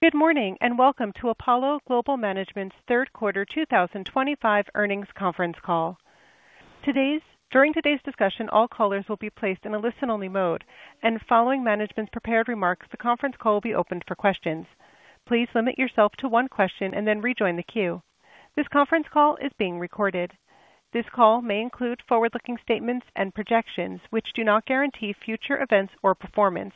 Good morning and welcome to Apollo Global Management's third quarter 2025 earnings conference call. During today's discussion, all callers will be placed in a listen-only mode, and following management's prepared remarks, the conference call will be open for questions. Please limit yourself to one question and then rejoin the queue. This conference call is being recorded. This call may include forward-looking statements and projections, which do not guarantee future events or performance.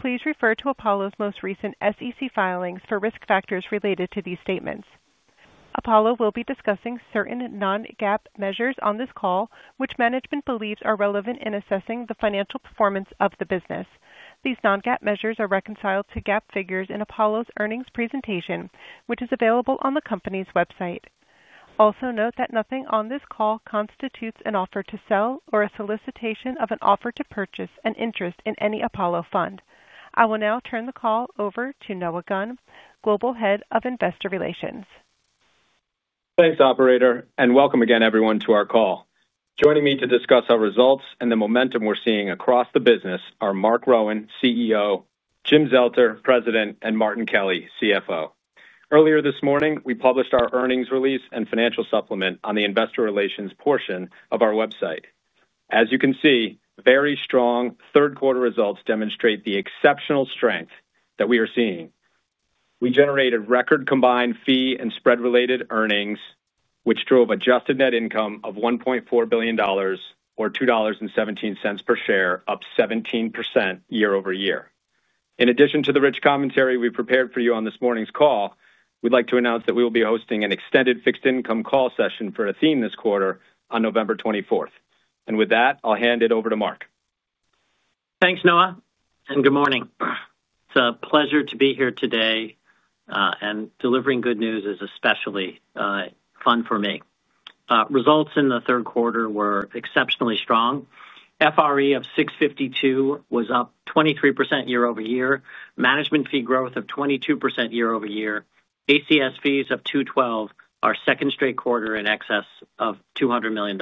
Please refer to Apollo's most recent SEC filings for risk factors related to these statements. Apollo will be discussing certain non-GAAP measures on this call, which management believes are relevant in assessing the financial performance of the business. These non-GAAP measures are reconciled to GAAP figures in Apollo's earnings presentation, which is available on the company's website. Also note that nothing on this call constitutes an offer to sell or a solicitation of an offer to purchase an interest in any Apollo fund. I will now turn the call over to Noah Gunn, Global Head of Investor Relations. Thanks, Operator, and welcome again, everyone, to our call. Joining me to discuss our results and the momentum we're seeing across the business are Marc Rowan, CEO; Jim Zelter, President; and Martin Kelly, CFO. Earlier this morning, we published our earnings release and financial supplement on the investor relations portion of our website. As you can see, very strong third quarter results demonstrate the exceptional strength that we are seeing. We generated record combined fee and spread-related earnings, which drove adjusted net income of $1.4 billion, or $2.17 per share, up 17% year-over-year. In addition to the rich commentary we prepared for you on this morning's call, we'd like to announce that we will be hosting an extended fixed income call session for Athene this quarter on November 24th. And with that, I'll hand it over to Marc. Thanks, Noah, and good morning. It's a pleasure to be here today. And delivering good news is especially fun for me. Results in the third quarter were exceptionally strong. FRE of $652 million was up 23% year-over-year, management fee growth of 22% year-over-year, ACS fees of $212 million, our second straight quarter in excess of $200 million.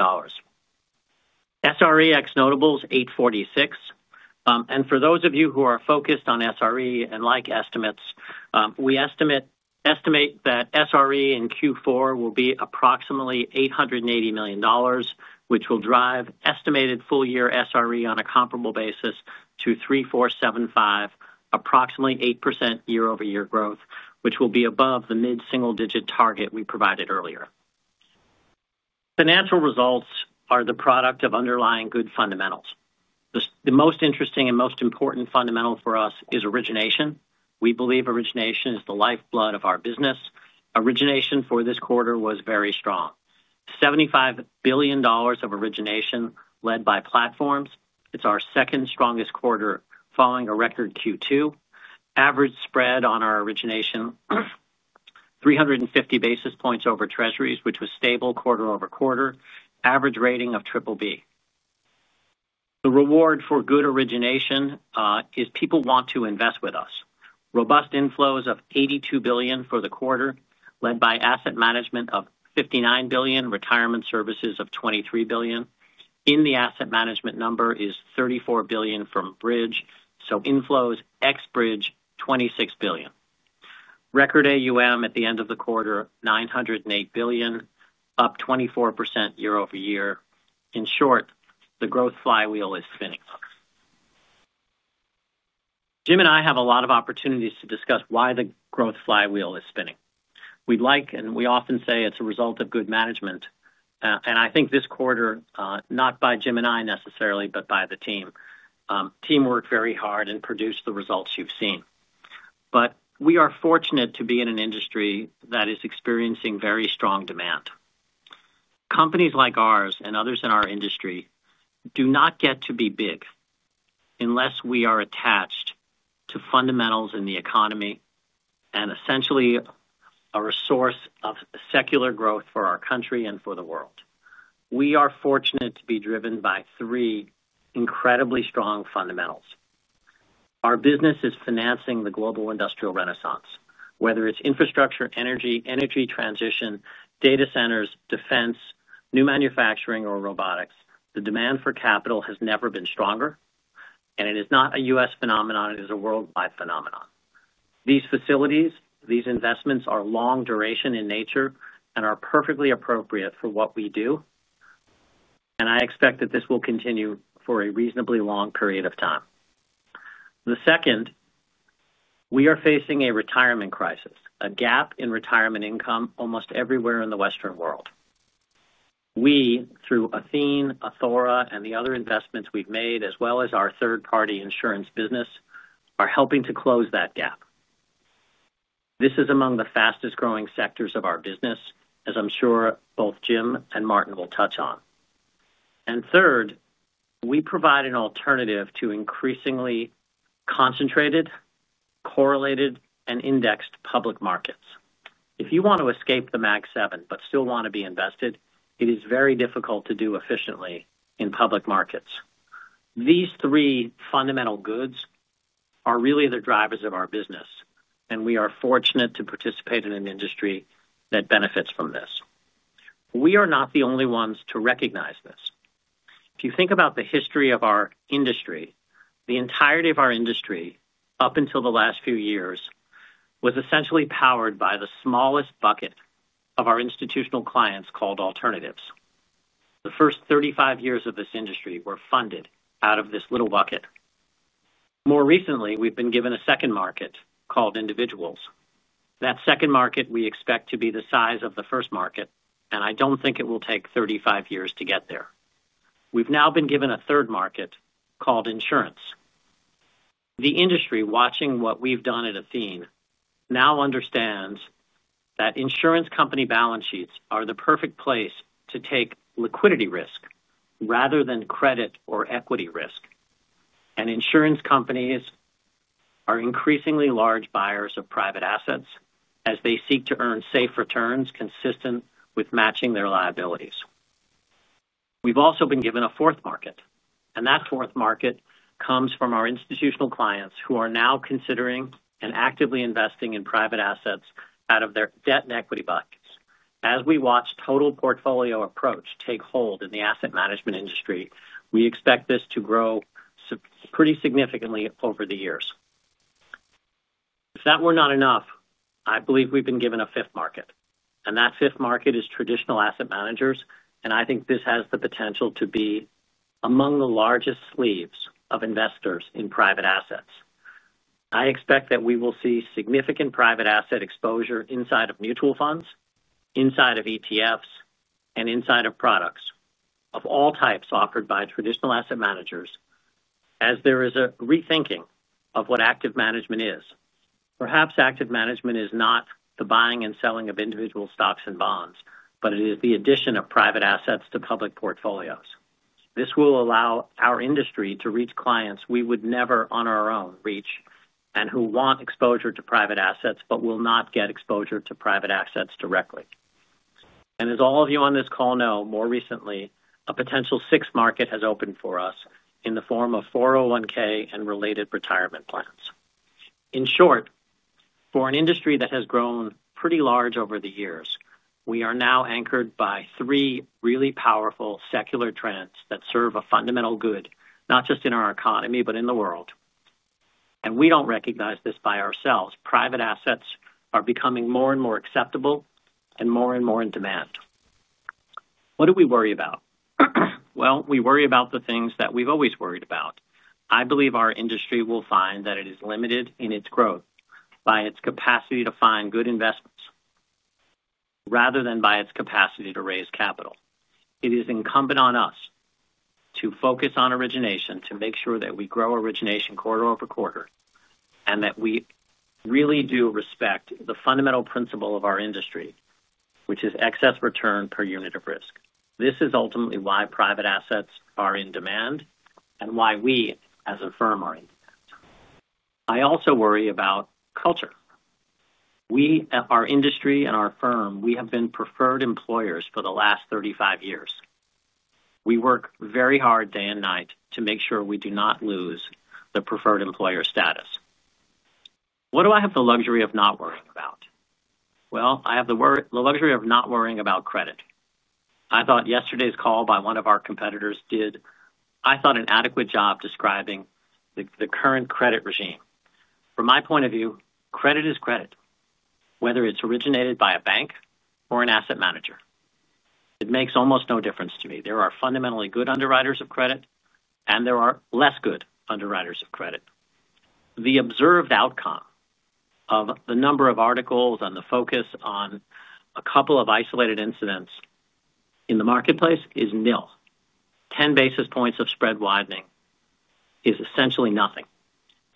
SRE ex-notables $846 million. And for those of you who are focused on SRE and like estimates, we estimate that SRE in Q4 will be approximately $880 million, which will drive estimated full year SRE on a comparable basis to $3,475 million, approximately 8% year-over-year growth, which will be above the mid-single digit target we provided earlier. Financial results are the product of underlying good fundamentals. The most interesting and most important fundamental for us is origination. We believe origination is the lifeblood of our business. Origination for this quarter was very strong. $75 billion of origination led by platforms. It's our second strongest quarter following a record Q2. Average spread on our origination 350 basis points over Treasuries, which was stable quarter-over-quarter, average rating of BBB. The reward for good origination is people want to invest with us. Robust inflows of $82 billion for the quarter, led by asset management of $59 billion, retirement services of $23 billion. In the asset management number is $34 billion from bridge, so inflows ex-bridge $26 billion. Record AUM at the end of the quarter, $908 billion, up 24% year-over-year. In short, the growth flywheel is spinning. Jim and I have a lot of opportunities to discuss why the growth flywheel is spinning. We'd like, and we often say, it's a result of good management. And I think this quarter, not by Jim and I necessarily, but by the team. The team worked very hard and produced the results you've seen. But we are fortunate to be in an industry that is experiencing very strong demand. Companies like ours and others in our industry do not get to be big unless we are attached to fundamentals in the economy and essentially a source of secular growth for our country and for the world. We are fortunate to be driven by three incredibly strong fundamentals. Our business is financing the global industrial renaissance. Whether it's infrastructure, energy, energy transition, data centers, defense, new manufacturing, or robotics, the demand for capital has never been stronger. And it is not a U.S. phenomenon; it is a worldwide phenomenon. These facilities, these investments are long duration in nature and are perfectly appropriate for what we do. And I expect that this will continue for a reasonably long period of time. The second, we are facing a retirement crisis, a gap in retirement income almost everywhere in the Western world. We, through Athene, Athora, and the other investments we've made, as well as our third-party insurance business, are helping to close that gap. This is among the fastest growing sectors of our business, as I'm sure both Jim and Martin will touch on. And third, we provide an alternative to increasingly concentrated, correlated, and indexed public markets. If you want to escape the Mag 7 but still want to be invested, it is very difficult to do efficiently in public markets. These three fundamental goods are really the drivers of our business, and we are fortunate to participate in an industry that benefits from this. We are not the only ones to recognize this. If you think about the history of our industry, the entirety of our industry up until the last few years was essentially powered by the smallest bucket of our institutional clients called alternatives. The first 35 years of this industry were funded out of this little bucket. More recently, we've been given a second market called individuals. That second market we expect to be the size of the first market, and I don't think it will take 35 years to get there. We've now been given a third market called insurance. The industry watching what we've done at Athene now understands that insurance company balance sheets are the perfect place to take liquidity risk rather than credit or equity risk. And insurance companies are increasingly large buyers of private assets as they seek to earn safe returns consistent with matching their liabilities. We've also been given a fourth market, and that fourth market comes from our institutional clients who are now considering and actively investing in private assets out of their debt and equity buckets. As we watch total portfolio approach take hold in the asset management industry, we expect this to grow pretty significantly over the years. If that were not enough, I believe we've been given a fifth market, and that fifth market is traditional asset managers, and I think this has the potential to be among the largest sleeves of investors in private assets. I expect that we will see significant private asset exposure inside of mutual funds, inside of ETFs, and inside of products of all types offered by traditional asset managers as there is a rethinking of what active management is. Perhaps active management is not the buying and selling of individual stocks and bonds, but it is the addition of private assets to public portfolios. This will allow our industry to reach clients we would never on our own reach and who want exposure to private assets but will not get exposure to private assets directly. And as all of you on this call know, more recently, a potential sixth market has opened for us in the form of 401(k) and related retirement plans. In short, for an industry that has grown pretty large over the years, we are now anchored by three really powerful secular trends that serve a fundamental good, not just in our economy but in the world. And we don't recognize this by ourselves. Private assets are becoming more and more acceptable and more and more in demand. What do we worry about? Well, we worry about the things that we've always worried about. I believe our industry will find that it is limited in its growth by its capacity to find good investments rather than by its capacity to raise capital. It is incumbent on us to focus on origination to make sure that we grow origination quarter-over-quarter and that we really do respect the fundamental principle of our industry, which is excess return per unit of risk. This is ultimately why private assets are in demand and why we, as a firm, are in demand. I also worry about culture. We, our industry and our firm, we have been preferred employers for the last 35 years. We work very hard day and night to make sure we do not lose the preferred employer status. What do I have the luxury of not worrying about? Well, I have the luxury of not worrying about credit. I thought yesterday's call by one of our competitors did, I thought, an adequate job describing the current credit regime. From my point of view, credit is credit, whether it's originated by a bank or an asset manager. It makes almost no difference to me. There are fundamentally good underwriters of credit, and there are less good underwriters of credit. The observed outcome of the number of articles and the focus on a couple of isolated incidents in the marketplace is nil. 10 basis points of spread widening is essentially nothing.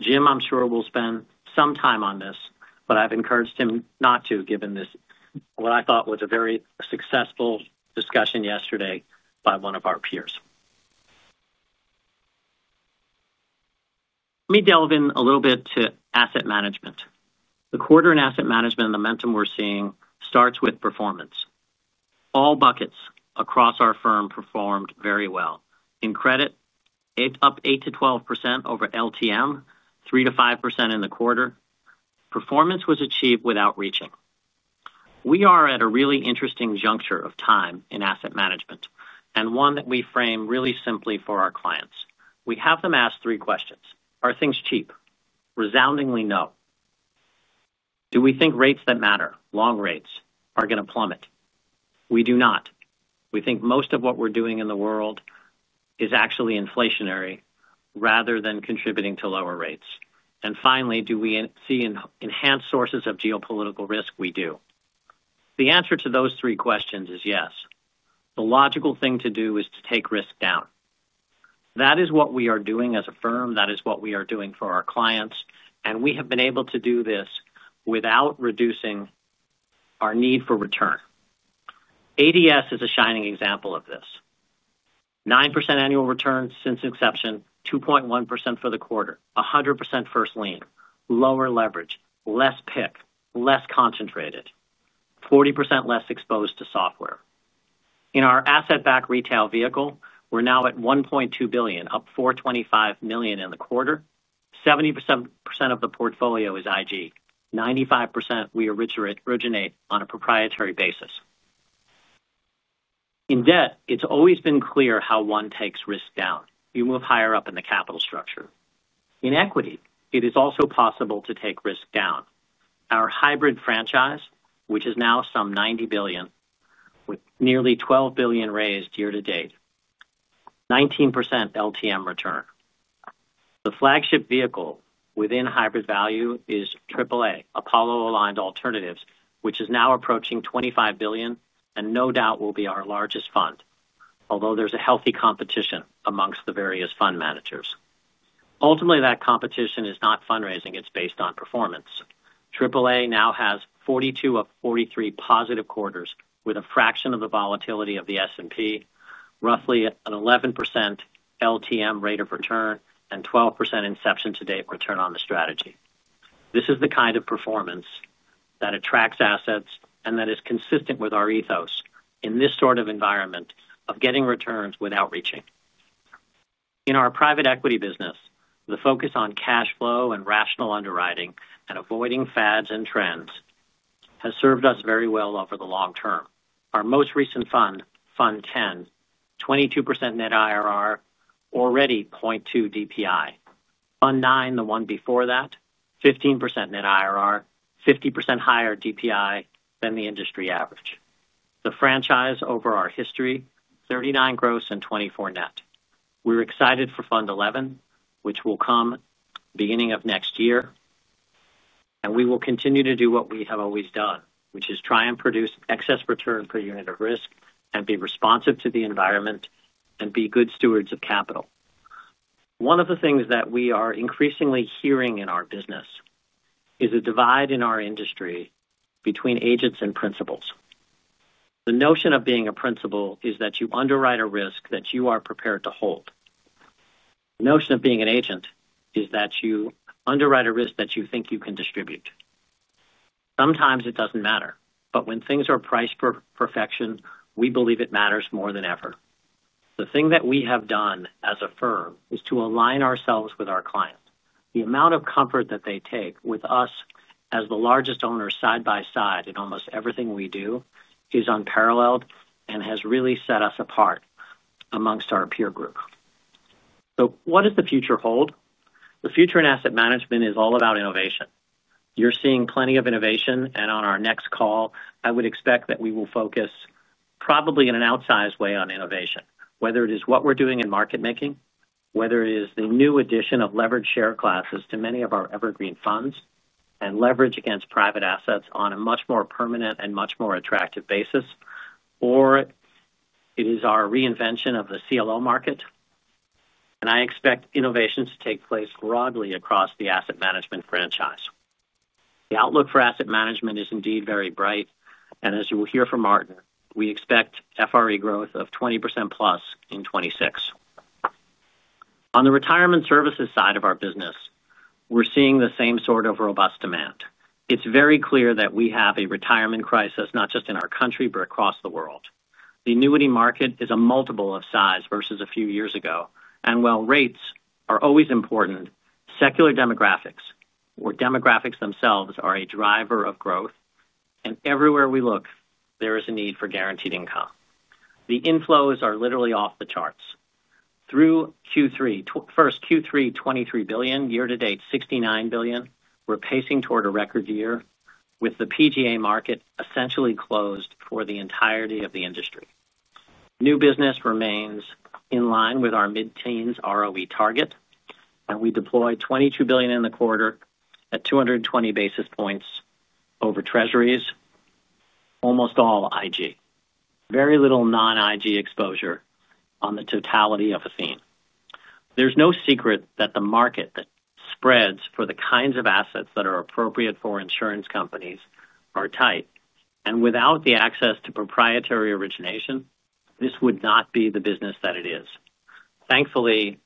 Jim, I'm sure will spend some time on this, but I've encouraged him not to, given what I thought was a very successful discussion yesterday by one of our peers. Let me delve in a little bit to asset management. The quarter in asset management momentum we're seeing starts with performance. All buckets across our firm performed very well. In credit, up 8%-12% over LTM, 3%-5% in the quarter. Performance was achieved without reaching. We are at a really interesting juncture of time in asset management and one that we frame really simply for our clients. We have them ask three questions. Are things cheap? Resoundingly no. Do we think rates that matter, long rates, are going to plummet? We do not. We think most of what we're doing in the world is actually inflationary rather than contributing to lower rates. And finally, do we see enhanced sources of geopolitical risk? We do. The answer to those three questions is yes. The logical thing to do is to take risk down. That is what we are doing as a firm. That is what we are doing for our clients. And we have been able to do this without reducing our need for return. ADS is a shining example of this. 9% annual return since inception, 2.1% for the quarter, 100% first lien, lower leverage, less PIK, less concentrated, 40% less exposed to software. In our asset-backed retail vehicle, we're now at $1.2 billion, up $425 million in the quarter. 70% of the portfolio is IG. 95% we originate on a proprietary basis. In debt, it's always been clear how one takes risk down. You move higher up in the capital structure. In equity, it is also possible to take risk down. Our hybrid franchise, which is now some $90 billion, with nearly $12 billion raised year-to-date. 19% LTM return. The flagship vehicle within hybrid value is AAA, Apollo Aligned Alternatives, which is now approaching $25 billion and no doubt will be our largest fund, although there's a healthy competition amongst the various fund managers. Ultimately, that competition is not fundraising. It's based on performance. AAA now has 42 of 43 positive quarters with a fraction of the volatility of the S&P, roughly an 11% LTM rate of return and 12% inception to date return on the strategy. This is the kind of performance that attracts assets and that is consistent with our ethos in this sort of environment of getting returns without reaching. In our private equity business, the focus on cash flow and rational underwriting and avoiding fads and trends has served us very well over the long-term. Our most recent fund, Fund 10, 22% net IRR, already 0.2 DPI. Fund 9, the one before that, 15% net IRR, 50% higher DPI than the industry average. The franchise over our history, 39 gross and 24 net. We're excited for Fund 11, which will come beginning of next year. And we will continue to do what we have always done, which is try and produce excess return per unit of risk and be responsive to the environment and be good stewards of capital. One of the things that we are increasingly hearing in our business is a divide in our industry between agents and principals. The notion of being a principal is that you underwrite a risk that you are prepared to hold. The notion of being an agent is that you underwrite a risk that you think you can distribute. Sometimes it doesn't matter, but when things are priced for perfection, we believe it matters more than ever. The thing that we have done as a firm is to align ourselves with our clients. The amount of comfort that they take with us as the largest owner side by side in almost everything we do is unparalleled and has really set us apart amongst our peer group. So what does the future hold? The future in asset management is all about innovation. You're seeing plenty of innovation, and on our next call, I would expect that we will focus probably in an outsized way on innovation, whether it is what we're doing in market making, whether it is the new addition of leveraged share classes to many of our evergreen funds and leverage against private assets on a much more permanent and much more attractive basis, or it is our reinvention of the CLO market. And I expect innovations to take place broadly across the asset management franchise. The outlook for asset management is indeed very bright, and as you will hear from Martin, we expect FRE growth of 20%+ in 2026. On the retirement services side of our business, we're seeing the same sort of robust demand. It's very clear that we have a retirement crisis, not just in our country, but across the world. The annuity market is a multiple of size versus a few years ago. And while rates are always important, secular demographics or demographics themselves are a driver of growth. And everywhere we look, there is a need for guaranteed income. The inflows are literally off the charts. Through Q3, first Q3 $23 billion, year-to-date $69 billion. We're pacing toward a record year with the PGA market essentially closed for the entirety of the industry. New business remains in line with our mid-teens ROE target, and we deployed $22 billion in the quarter at 220 basis points over Treasuries. Almost all IG. Very little non-IG exposure on the totality of Athene. There's no secret that the market that spreads for the kinds of assets that are appropriate for insurance companies are tight. And without the access to proprietary origination, this would not be the business that it is. Thankfully,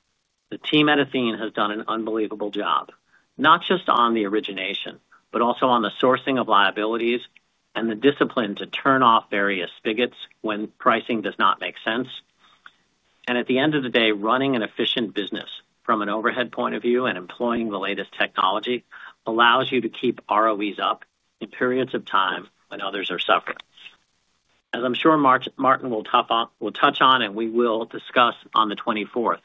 the team at Athene has done an unbelievable job, not just on the origination, but also on the sourcing of liabilities and the discipline to turn off various spigots when pricing does not make sense. And at the end of the day, running an efficient business from an overhead point of view and employing the latest technology allows you to keep ROEs up in periods of time when others are suffering. As I'm sure Martin will touch on, and we will discuss on the 24th,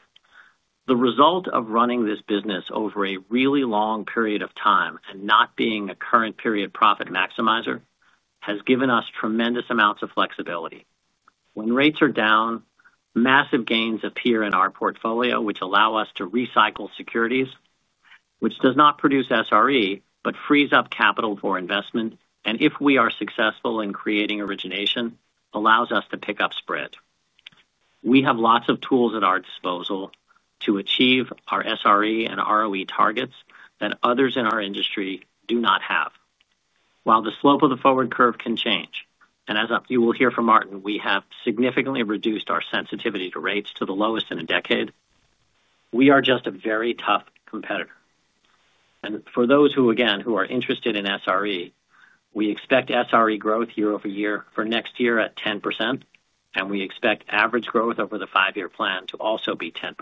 the result of running this business over a really long period of time and not being a current period profit maximizer has given us tremendous amounts of flexibility. When rates are down, massive gains appear in our portfolio, which allow us to recycle securities, which does not produce SRE, but frees up capital for investment. And if we are successful in creating origination, it allows us to pick up spread. We have lots of tools at our disposal to achieve our SRE and ROE targets that others in our industry do not have. While the slope of the forward curve can change, and as you will hear from Martin, we have significantly reduced our sensitivity to rates to the lowest in a decade, we are just a very tough competitor, and for those who, again, who are interested in SRE, we expect SRE growth year-over-year for next year at 10%, and we expect average growth over the five-year plan to also be 10%.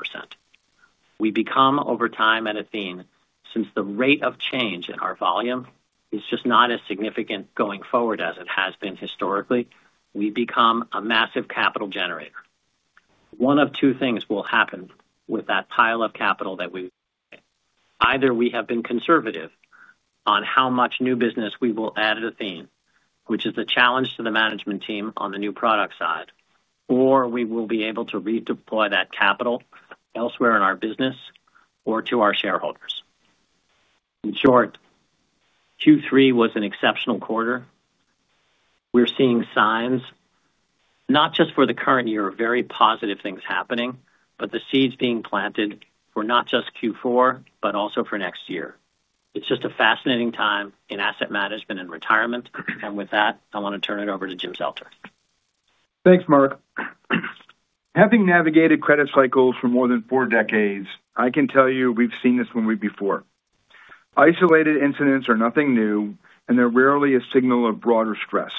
We become, over time at Athene, since the rate of change in our volume is just not as significant going forward as it has been historically, we become a massive capital generator. One of two things will happen with that pile of capital that we generate. Either we have been conservative on how much new business we will add at Athene, which is the challenge to the management team on the new product side, or we will be able to redeploy that capital elsewhere in our business or to our shareholders. In short, Q3 was an exceptional quarter. We're seeing signs not just for the current year, very positive things happening, but the seeds being planted for not just Q4, but also for next year. It's just a fascinating time in asset management and retirement, and with that, I want to turn it over to Jim Zelter. Thanks, Marc. Having navigated credit cycles for more than four decades, I can tell you we've seen this one week before. Isolated incidents are nothing new, and they're rarely a signal of broader stress.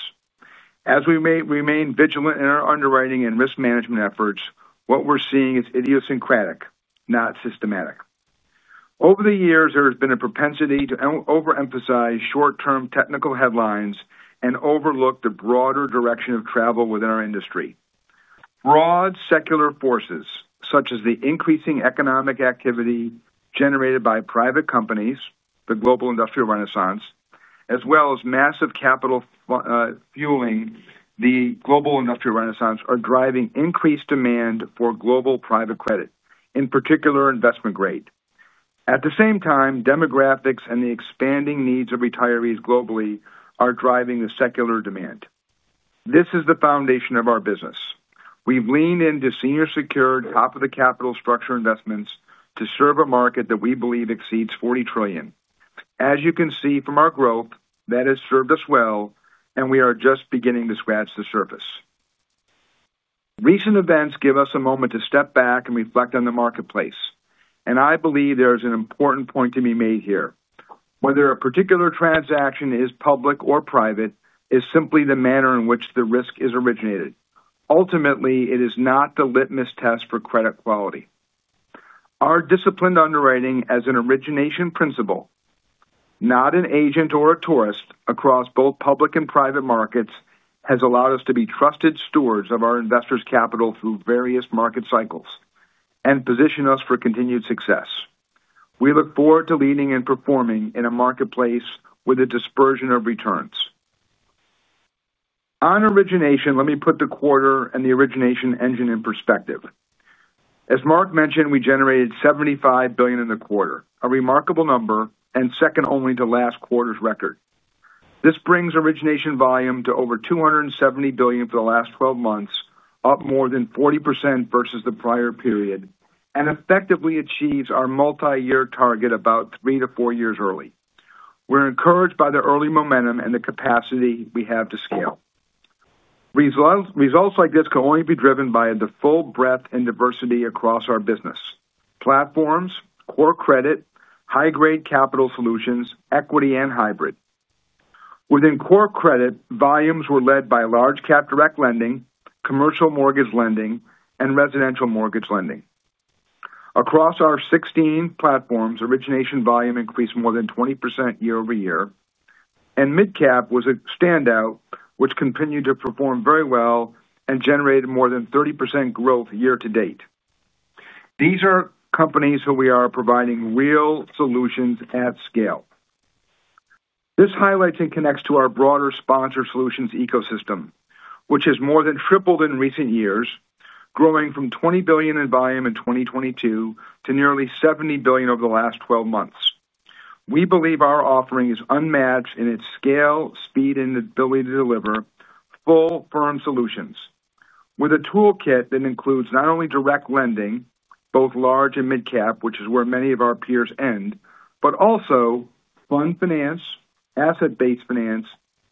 As we remain vigilant in our underwriting and risk management efforts, what we're seeing is idiosyncratic, not systematic. Over the years, there has been a propensity to overemphasize short-term technical headlines and overlook the broader direction of travel within our industry. Broad secular forces, such as the increasing economic activity generated by private companies, the global industrial renaissance, as well as massive capital fueling the global industrial renaissance, are driving increased demand for global private credit, in particular investment grade. At the same time, demographics and the expanding needs of retirees globally are driving the secular demand. This is the foundation of our business. We've leaned into senior secured, top-of-the-capital structure investments to serve a market that we believe exceeds $40 trillion. As you can see from our growth, that has served us well, and we are just beginning to scratch the surface. Recent events give us a moment to step back and reflect on the marketplace, and I believe there is an important point to be made here. Whether a particular transaction is public or private is simply the manner in which the risk is originated. Ultimately, it is not the litmus test for credit quality. Our disciplined underwriting as an origination principle, not an agent or a tourist across both public and private markets, has allowed us to be trusted stewards of our investors' capital through various market cycles and position us for continued success. We look forward to leading and performing in a marketplace with a dispersion of returns. On origination, let me put the quarter and the origination engine in perspective. As Marc mentioned, we generated $75 billion in the quarter, a remarkable number and second only to last quarter's record. This brings origination volume to over $270 billion for the last 12 months, up more than 40% versus the prior period, and effectively achieves our multi-year target about three to four years early. We're encouraged by the early momentum and the capacity we have to scale. Results like this can only be driven by the full breadth and diversity across our business. Platforms, core credit, high-grade capital solutions, equity, and hybrid. Within core credit, volumes were led by large-cap direct lending, commercial mortgage lending, and residential mortgage lending. Across our 16 platforms, origination volume increased more than 20% year-over-year, and mid-cap was a standout, which continued to perform very well and generated more than 30% growth year-to-date. These are companies who we are providing real solutions at scale. This highlights and connects to our broader sponsor solutions ecosystem, which has more than tripled in recent years, growing from $20 billion in volume in 2022 to nearly $70 billion over the last 12 months. We believe our offering is unmatched in its scale, speed, and ability to deliver full-firm solutions with a toolkit that includes not only direct lending, both large and mid-cap, which is where many of our peers end, but also fund finance, asset-based finance,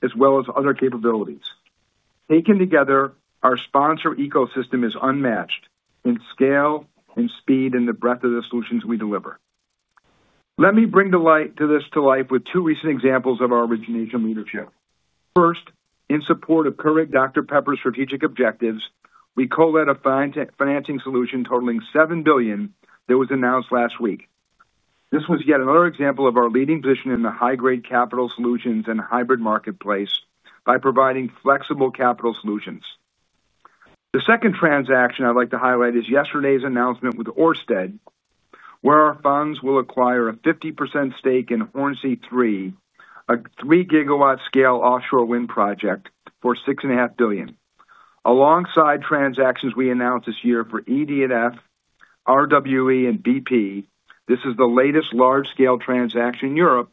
as well as other capabilities. Taken together, our sponsor ecosystem is unmatched in scale, in speed, and the breadth of the solutions we deliver. Let me bring this to life with two recent examples of our origination leadership. First, in support of Keurig Dr Pepper's strategic objectives, we co-led a financing solution totaling $7 billion that was announced last week. This was yet another example of our leading position in the high-grade capital solutions and hybrid marketplace by providing flexible capital solutions. The second transaction I'd like to highlight is yesterday's announcement with Orsted, where our funds will acquire a 50% stake in Hornsea 3, a 3 GW scale offshore wind project for $6.5 billion. Alongside transactions we announced this year for EDF, RWE, and BP, this is the latest large-scale transaction in Europe,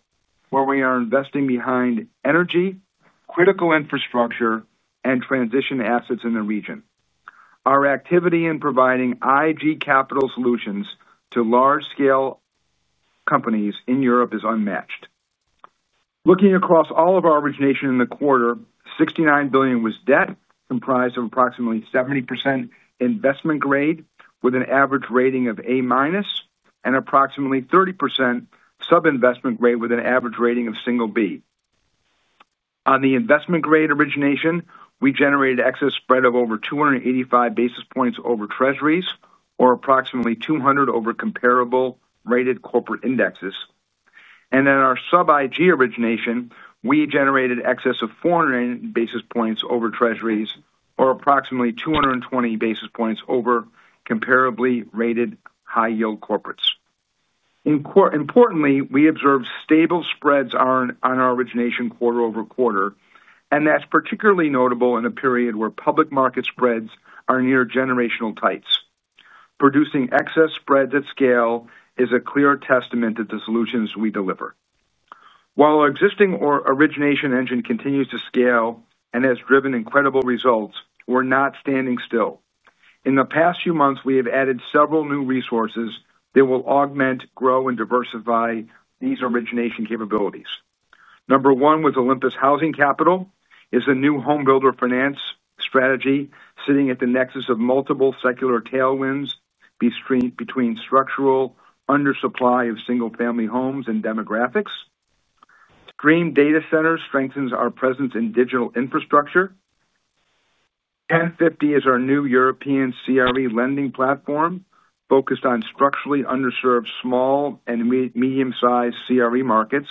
where we are investing behind energy, critical infrastructure, and transition assets in the region. Our activity in providing IG capital solutions to large-scale companies in Europe is unmatched. Looking across all of our origination in the quarter, $69 billion was debt, comprised of approximately 70% investment grade, with an average rating of A-, and approximately 30% sub-investment grade, with an average rating of single B. On the investment-grade origination, we generated excess spread of over 285 basis points over treasuries, or approximately 200 over comparable rated corporate indexes. And then our sub-IG origination, we generated excess of 400 basis points over treasuries, or approximately 220 basis points over comparably rated high-yield corporates. Importantly, we observed stable spreads on our origination quarter-over-quarter, and that's particularly notable in a period where public market spreads are near generational tights. Producing excess spreads at scale is a clear testament to the solutions we deliver. While our existing origination engine continues to scale and has driven incredible results, we're not standing still. In the past few months, we have added several new resources that will augment, grow, and diversify these origination capabilities. Number one, with Olympus Housing Capital is a new home builder finance strategy sitting at the nexus of multiple secular tailwinds between structural undersupply of single-family homes and demographics. Stream Data Center strengthens our presence in digital infrastructure. 1050 is our new European CRE lending platform focused on structurally underserved small and medium-sized CRE markets.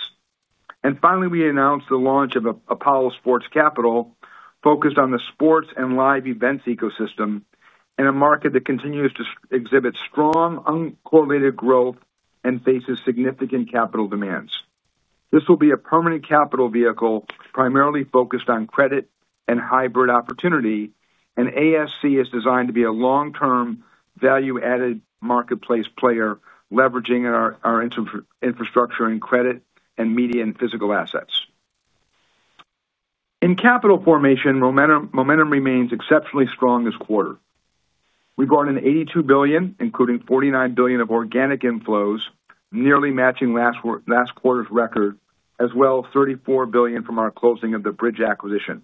And finally, we announced the launch of Apollo Sports Capital, focused on the sports and live events ecosystem in a market that continues to exhibit strong uncorrelated growth and faces significant capital demands. This will be a permanent capital vehicle primarily focused on credit and hybrid opportunity, and ASC is designed to be a long-term value-added marketplace player, leveraging our infrastructure in credit and media and physical assets. In capital formation, momentum remains exceptionally strong this quarter. We brought in $82 billion, including $49 billion of organic inflows, nearly matching last quarter's record, as well as $34 billion from our closing of the Bridge acquisition.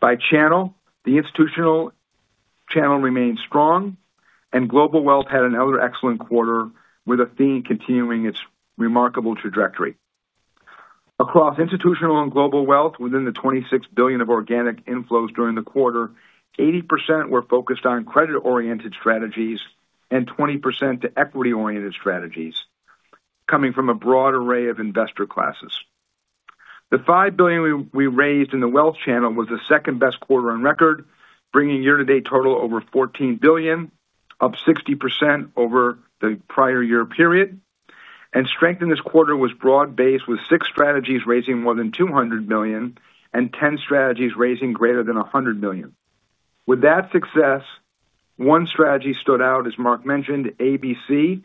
By channel, the institutional channel remained strong, and global wealth had another excellent quarter with Athene continuing its remarkable trajectory. Across institutional and global wealth, within the $26 billion of organic inflows during the quarter, 80% were focused on credit-oriented strategies and 20% to equity-oriented strategies, coming from a broad array of investor classes. The $5 billion we raised in the wealth channel was the second-best quarter on record, bringing year-to-date total over $14 billion, up 60% over the prior year period. And strength in this quarter was broad-based, with six strategies raising more than $200 million and 10 strategies raising greater than $100 million. With that success, one strategy stood out, as Marc mentioned, ABC,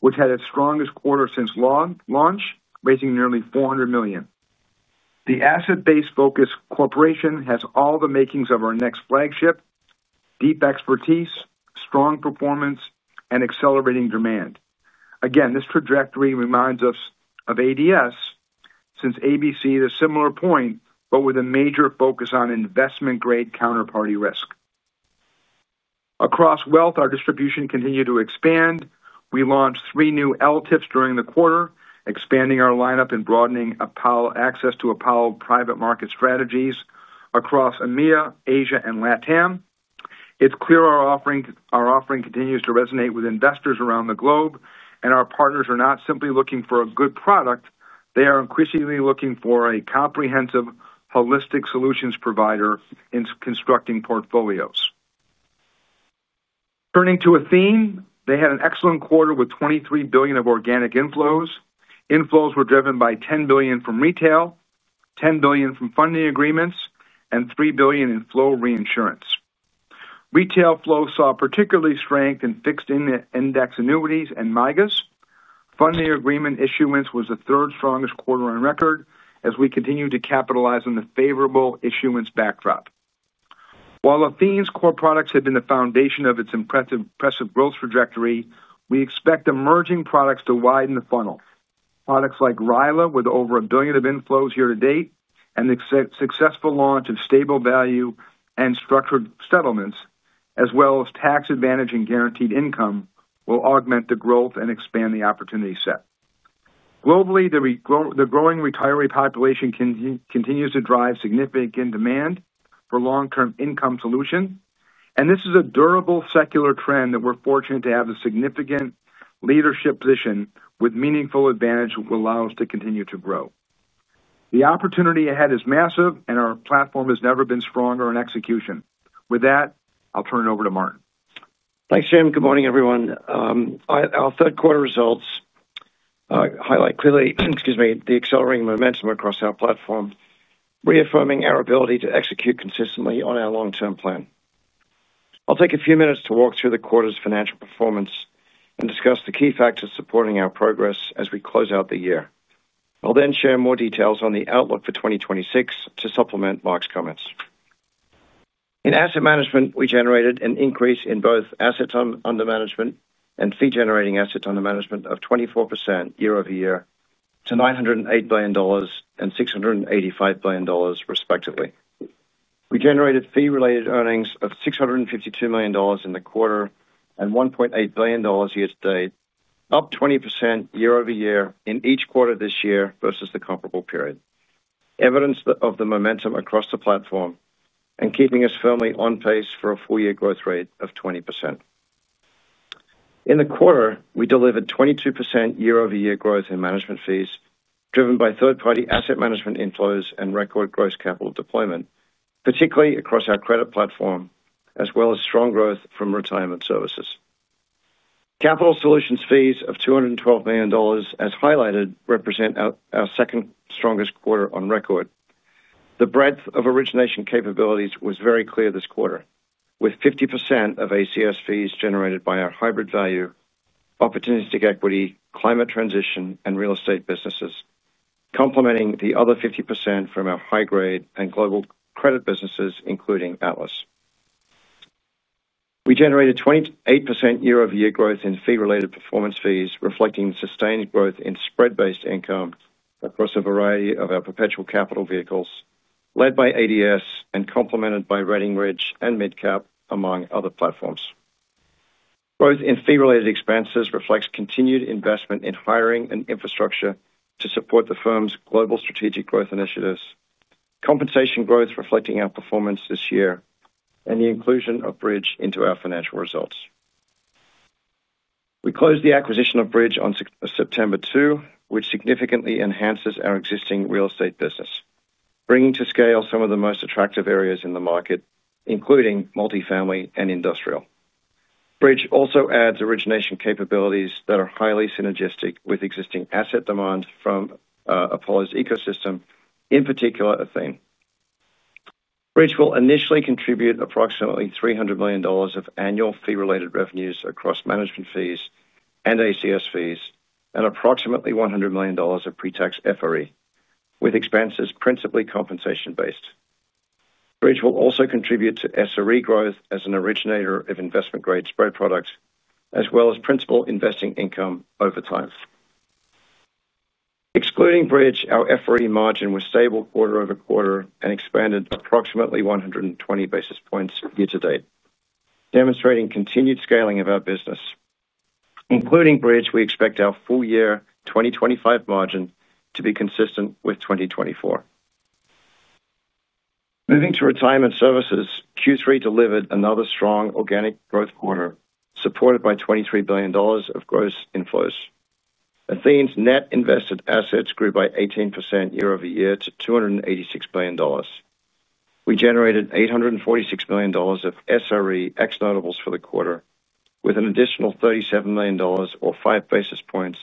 which had its strongest quarter since launch, raising nearly $400 million. The asset-based credit corporation has all the makings of our next flagship: deep expertise, strong performance, and accelerating demand. Again, this trajectory reminds us of ADS since ABC at a similar point, but with a major focus on investment-grade counterparty risk. Across wealth, our distribution continued to expand. We launched three new LTIFs during the quarter, expanding our lineup and broadening access to Apollo private market strategies across EMEA, Asia, and LATAM. It's clear our offering continues to resonate with investors around the globe, and our partners are not simply looking for a good product, they are increasingly looking for a comprehensive, holistic solutions provider in constructing portfolios. Turning to Athene, they had an excellent quarter with $23 billion of organic inflows. Inflows were driven by $10 billion from retail, $10 billion from funding agreements, and $3 billion in flow reinsurance. Retail flow saw particular strength in fixed index annuities and MYGAs. Funding agreement issuance was the third strongest quarter on record as we continued to capitalize on the favorable issuance backdrop. While Athene's core products have been the foundation of its impressive growth trajectory, we expect emerging products to widen the funnel. Products like RILAs, with over $1 billion of inflows year to date, and the successful launch of stable value and structured settlements, as well as tax advantage and guaranteed income, will augment the growth and expand the opportunity set. Globally, the growing retiree population continues to drive significant demand for long-term income solutions, and this is a durable secular trend that we're fortunate to have a significant leadership position with meaningful advantage that will allow us to continue to grow. The opportunity ahead is massive, and our platform has never been stronger in execution. With that, I'll turn it over to Martin. Thanks, Jim. Good morning, everyone. Our third-quarter results highlight the accelerating momentum across our platform, reaffirming our ability to execute consistently on our long-term plan. I'll take a few minutes to walk through the quarter's financial performance and discuss the key factors supporting our progress as we close out the year. I'll then share more details on the outlook for 2026 to supplement Marc's comments. In asset management, we generated an increase in both assets under management and fee-generating assets under management of 24% year-over-year to $908 billion and $685 billion, respectively. We generated fee-related earnings of $652 million in the quarter and $1.8 billion year-to-date, up 20% year-over-year in each quarter this year versus the comparable period. Evidence of the momentum across the platform and keeping us firmly on pace for a four-year growth rate of 20%. In the quarter, we delivered 22% year-over-year growth in management fees driven by third-party asset management inflows and record gross capital deployment, particularly across our credit platform, as well as strong growth from retirement services. Capital solutions fees of $212 million, as highlighted, represent our second-strongest quarter on record. The breadth of origination capabilities was very clear this quarter, with 50% of ACS fees generated by our hybrid value, opportunistic equity, climate transition, and real estate businesses, complementing the other 50% from our high-grade and global credit businesses, including Atlas. We generated 28% year-over-year growth in fee-related performance fees, reflecting sustained growth in spread-based income across a variety of our perpetual capital vehicles, led by ADS and complemented by Redding Ridge and mid-cap, among other platforms. Growth in fee-related expenses reflects continued investment in hiring and infrastructure to support the firm's global strategic growth initiatives, compensation growth reflecting our performance this year, and the inclusion of Bridge into our financial results. We closed the acquisition of Bridge on September 2, which significantly enhances our existing real estate business, bringing to scale some of the most attractive areas in the market, including multifamily and industrial. Bridge also adds origination capabilities that are highly synergistic with existing asset demand from Apollo's ecosystem, in particular, Athene. Bridge will initially contribute approximately $300 million of annual fee-related revenues across management fees and ACS fees and approximately $100 million of pre-tax FRE, with expenses principally compensation-based. Bridge will also contribute to SRE growth as an originator of investment-grade spread products, as well as principal investing income over time. Excluding Bridge, our FRE margin was stable quarter-over-quarter and expanded approximately 120 basis points year-to-date, demonstrating continued scaling of our business. Including Bridge, we expect our full-year 2025 margin to be consistent with 2024. Moving to retirement services, Q3 delivered another strong organic growth quarter, supported by $23 billion of gross inflows. Athene's net invested assets grew by 18% year-over-year to $286 billion. We generated $846 million of SRE ex-notables for the quarter, with an additional $37 million, or 5 basis points,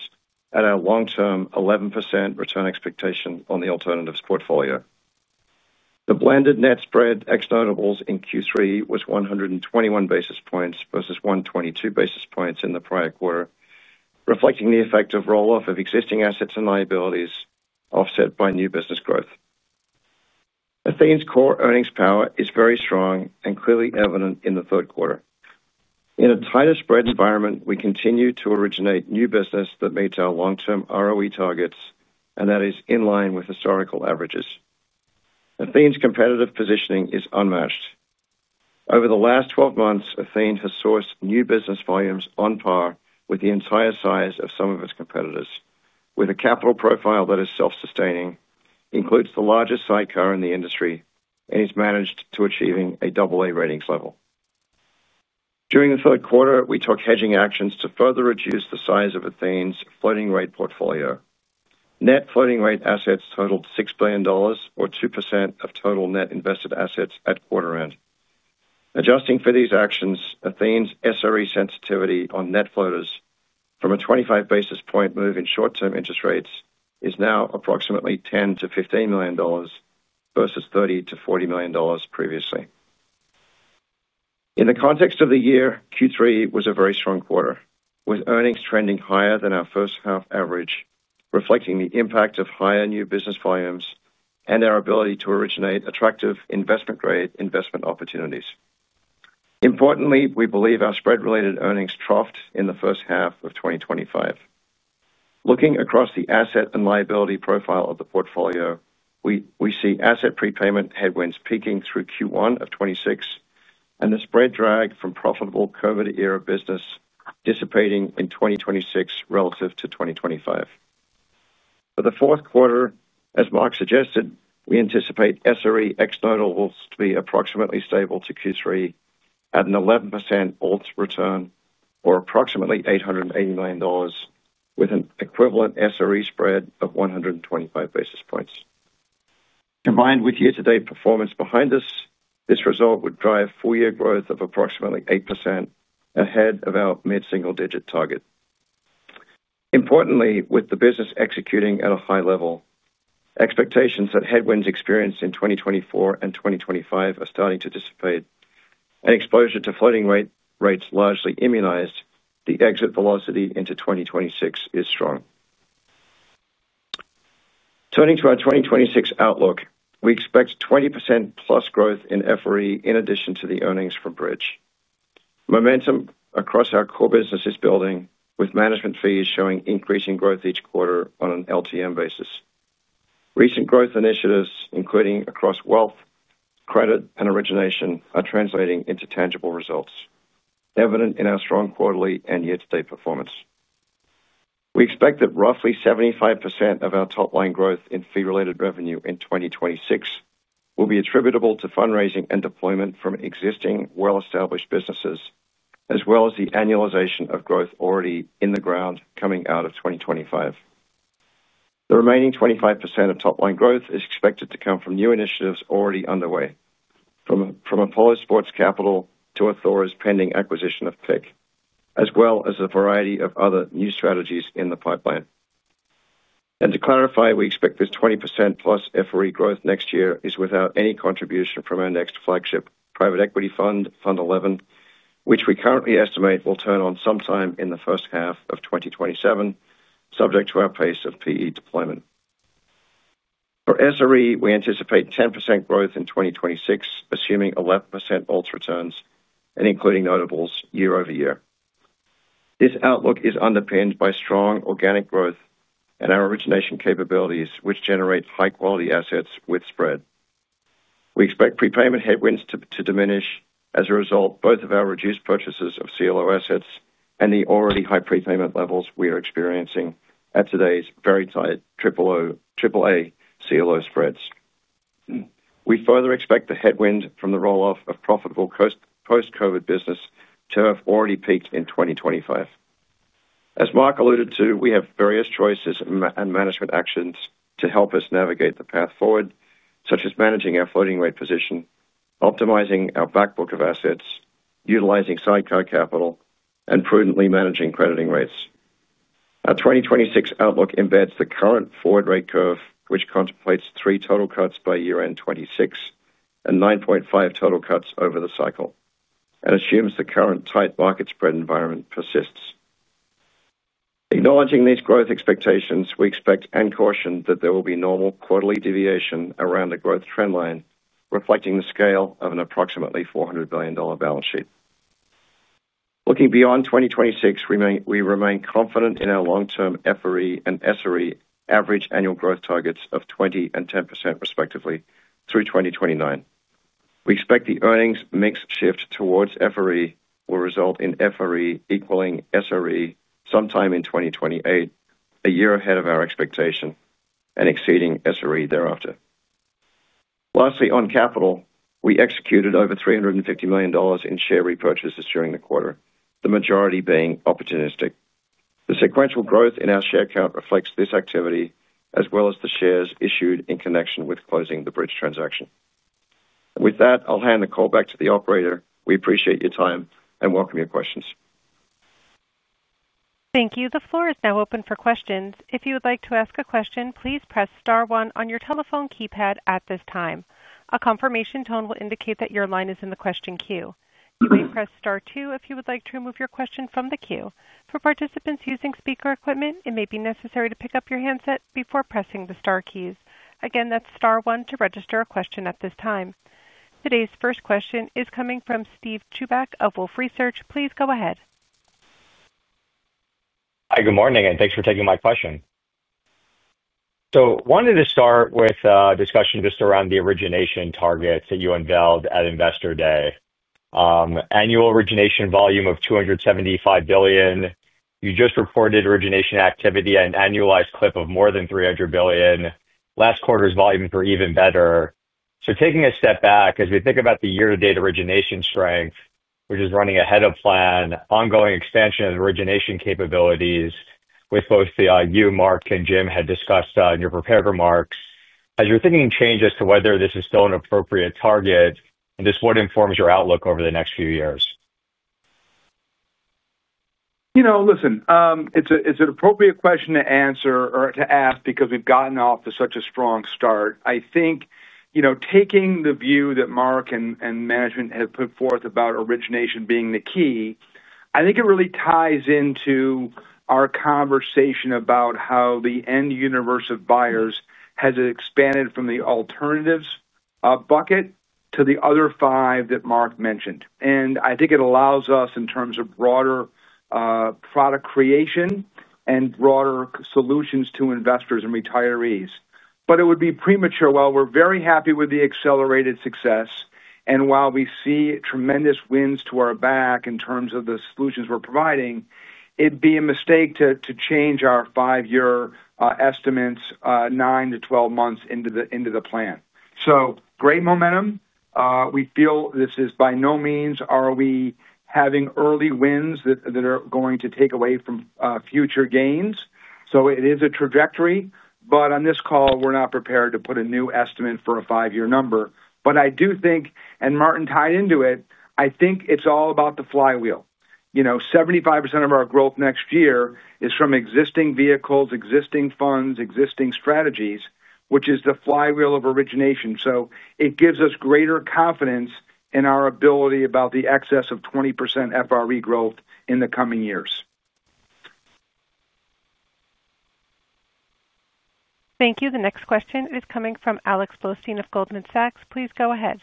at our long-term 11% return expectation on the alternatives portfolio. The blended net spread ex-notables in Q3 was 121 basis points versus 122 basis points in the prior quarter, reflecting the effect of roll-off of existing assets and liabilities offset by new business growth. Athene's core earnings power is very strong and clearly evident in the third quarter. In a tighter spread environment, we continue to originate new business that meets our long-term ROE targets, and that is in line with historical averages. Athene's competitive positioning is unmatched. Over the last 12 months, Athene has sourced new business volumes on par with the entire size of some of its competitors, with a capital profile that is self-sustaining, includes the largest sidecar in the industry, and is managed to achieving a AA ratings level. During the third quarter, we took hedging actions to further reduce the size of Athene's floating rate portfolio. Net floating rate assets totaled $6 billion, or 2% of total net invested assets at quarter-end. Adjusting for these actions, Athene's SRE sensitivity on net floaters from a 25 basis point move in short-term interest rates is now approximately $10 milion-$15 million versus $30 million-$40 million previously. In the context of the year, Q3 was a very strong quarter, with earnings trending higher than our first-half average, reflecting the impact of higher new business volumes and our ability to originate attractive investment-grade investment opportunities. Importantly, we believe our spread-related earnings troughed in the first half of 2025. Looking across the asset and liability profile of the portfolio, we see asset prepayment headwinds peaking through Q1 of 2026, and the spread drag from profitable COVID-era business dissipating in 2026 relative to 2025. For the fourth quarter, as Marc suggested, we anticipate SRE ex-notables to be approximately stable to Q3 at an 11% alt return, or approximately $880 million, with an equivalent SRE spread of 125 basis points. Combined with year-to-date performance behind us, this result would drive four-year growth of approximately 8% ahead of our mid-single-digit target. Importantly, with the business executing at a high level, expectations that headwinds experienced in 2024 and 2025 are starting to dissipate, and exposure to floating rates largely immunized, the exit velocity into 2026 is strong. Turning to our 2026 outlook, we expect 20%+ growth in FRE in addition to the earnings from Bridge. Momentum across our core business is building, with management fees showing increasing growth each quarter on an LTM basis. Recent growth initiatives, including across wealth, credit, and origination, are translating into tangible results, evident in our strong quarterly and year-to-date performance. We expect that roughly 75% of our top-line growth in fee-related revenue in 2026 will be attributable to fundraising and deployment from existing well-established businesses, as well as the annualization of growth already in the ground coming out of 2025. The remaining 25% of top-line growth is expected to come from new initiatives already underway, from Apollo Sports Capital to Athora's pending acquisition of PIC, as well as a variety of other new strategies in the pipeline. To clarify, we expect this 20%+ FRE growth next year is without any contribution from our next flagship, private equity fund, Fund 11, which we currently estimate will turn on sometime in the first half of 2027, subject to our pace of PE deployment. For SRE, we anticipate 10% growth in 2026, assuming 11% alt returns and including notables year-over-year. This outlook is underpinned by strong organic growth and our origination capabilities, which generate high-quality assets with spread. We expect prepayment headwinds to diminish as a result of both of our reduced purchases of CLO assets and the already high prepayment levels we are experiencing at today's very tight AAA CLO spreads. We further expect the headwind from the rolloff of profitable post-COVID business to have already peaked in 2025. As Marc alluded to, we have various choices and management actions to help us navigate the path forward, such as managing our floating rate position, optimizing our backbook of assets, utilizing side car capital, and prudently managing crediting rates. Our 2026 outlook embeds the current forward rate curve, which contemplates three total cuts by year-end 2026 and 9.5 total cuts over the cycle, and assumes the current tight market spread environment persists. Acknowledging these growth expectations, we expect and caution that there will be normal quarterly deviation around the growth trend line, reflecting the scale of an approximately $400 billion balance sheet. Looking beyond 2026, we remain confident in our long-term FRE and SRE average annual growth targets of 20% and 10%, respectively, through 2029. We expect the earnings mix shift towards FRE will result in FRE equaling SRE sometime in 2028, a year ahead of our expectation, and exceeding SRE thereafter. Lastly, on capital, we executed over $350 million in share repurchases during the quarter, the majority being opportunistic. The sequential growth in our share count reflects this activity, as well as the shares issued in connection with closing the Bridge transaction. With that, I'll hand the call back to the operator. We appreciate your time and welcome your questions. Thank you. The floor is now open for questions. If you would like to ask a question, please press star one on your telephone keypad at this time. A confirmation tone will indicate that your line is in the question queue. You may press star two if you would like to remove your question from the queue. For participants using speaker equipment, it may be necessary to pick up your handset before pressing the star keys. Again, that's star one to register a question at this time. Today's first question is coming from Steve Chubak of Wolfe Research. Please go ahead. Hi, good morning, and thanks for taking my question. So I wanted to start with a discussion just around the origination targets that you unveiled at Investor Day. Annual origination volume of $275 billion. You just reported origination activity and annualized clip of more than $300 billion. Last quarter's volume was even better. So taking a step back, as we think about the year-to-date origination strength, which is running ahead of plan, ongoing expansion of origination capabilities, which both you, Marc, and Jim had discussed in your prepared remarks, as you're thinking of changes to whether this is still an appropriate target, and just what informs your outlook over the next few years? You know, listen, it's an appropriate question to answer or to ask because we've gotten off to such a strong start. I think. Taking the view that Marc and management have put forth about origination being the key, I think it really ties into our conversation about how the end universe of buyers has expanded from the alternatives bucket to the other five that Marc mentioned. And I think it allows us, in terms of broader product creation and broader solutions to investors and retirees but it would be premature. While we're very happy with the accelerated success, and while we see tremendous winds at our back in terms of the solutions we're providing, it'd be a mistake to change our five-year estimates 9-12 months into the plan. So great momentum. We feel this is by no means are we having early wins that are going to take away from future gains. So it is a trajectory, but on this call, we're not prepared to put a new estimate for a five-year number. But I do think, and Martin tied into it, I think it's all about the flywheel. 75% of our growth next year is from existing vehicles, existing funds, existing strategies, which is the flywheel of origination. So it gives us greater confidence in our ability about the excess of 20% FRE growth in the coming years. Thank you. The next question is coming fromAlex Blostein of Goldman Sachs. Please go ahead.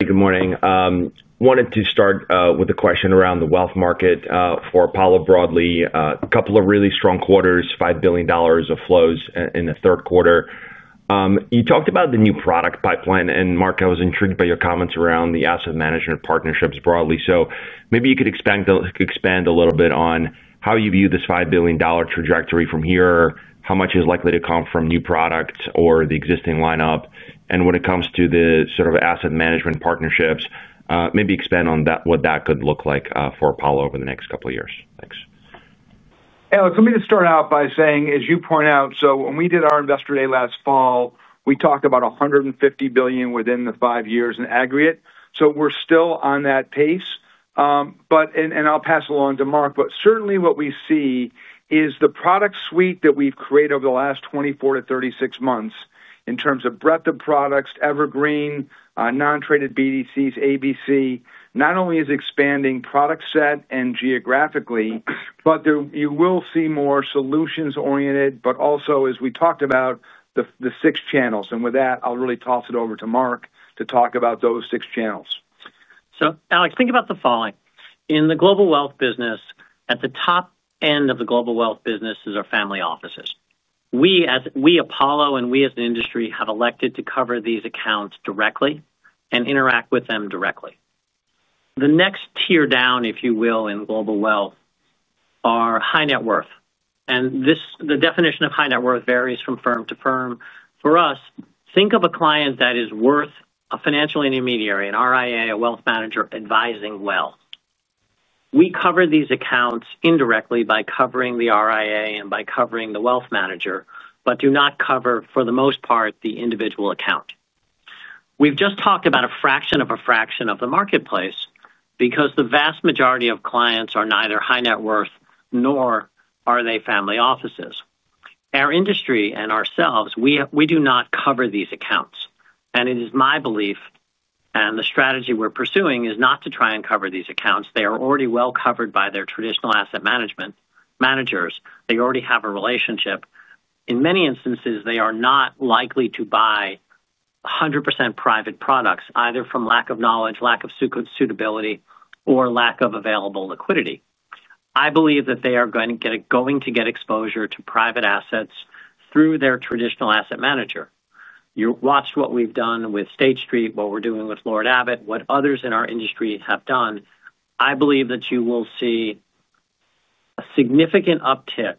Good morning. I wanted to start with a question around the wealth market for Apollo broadly. A couple of really strong quarters, $5 billion of flows in the third quarter. You talked about the new product pipeline, and Marc, I was intrigued by your comments around the asset management partnerships broadly. So maybe you could expand a little bit on how you view this $5 billion trajectory from here, how much is likely to come from new products or the existing lineup, and when it comes to the sort of asset management partnerships, maybe expand on what that could look like for Apollo over the next couple of years. Thanks. Alex, let me just start out by saying, as you point out, so when we did our Investor Day last fall, we talked about $150 billion within the five years in aggregate. So we're still on that pace, and I'll pass it along to Marc, but certainly what we see is the product suite that we've created over the last 24-36 months in terms of breadth of products, evergreen, non-traded BDCs, ABC, not only is expanding product set and geographically, but you will see more solutions-oriented, but also, as we talked about, the six channels, and with that, I'll really toss it over to Marc to talk about those six channels. So, Alex, think about the following. In the global wealth business, at the top end of the global wealth business is our family offices. We, Apollo, and we as an industry have elected to cover these accounts directly and interact with them directly. The next tier down, if you will, in global wealth are high net worth, and the definition of high net worth varies from firm to firm. For us, think of a client that is with a financial intermediary, an RIA, a wealth manager advising wealth. We cover these accounts indirectly by covering the RIA and by covering the wealth manager, but do not cover, for the most part, the individual account. We've just talked about a fraction of a fraction of the marketplace because the vast majority of clients are neither high net worth nor are they family offices. Our industry and ourselves, we do not cover these accounts, and it is my belief, and the strategy we're pursuing is not to try and cover these accounts. They are already well covered by their traditional asset management managers. They already have a relationship. In many instances, they are not likely to buy 100% private products, either from lack of knowledge, lack of suitability, or lack of available liquidity. I believe that they are going to get exposure to private assets through their traditional asset manager. You watched what we've done with State Street, what we're doing with Lord Abbett, what others in our industry have done. I believe that you will see a significant uptick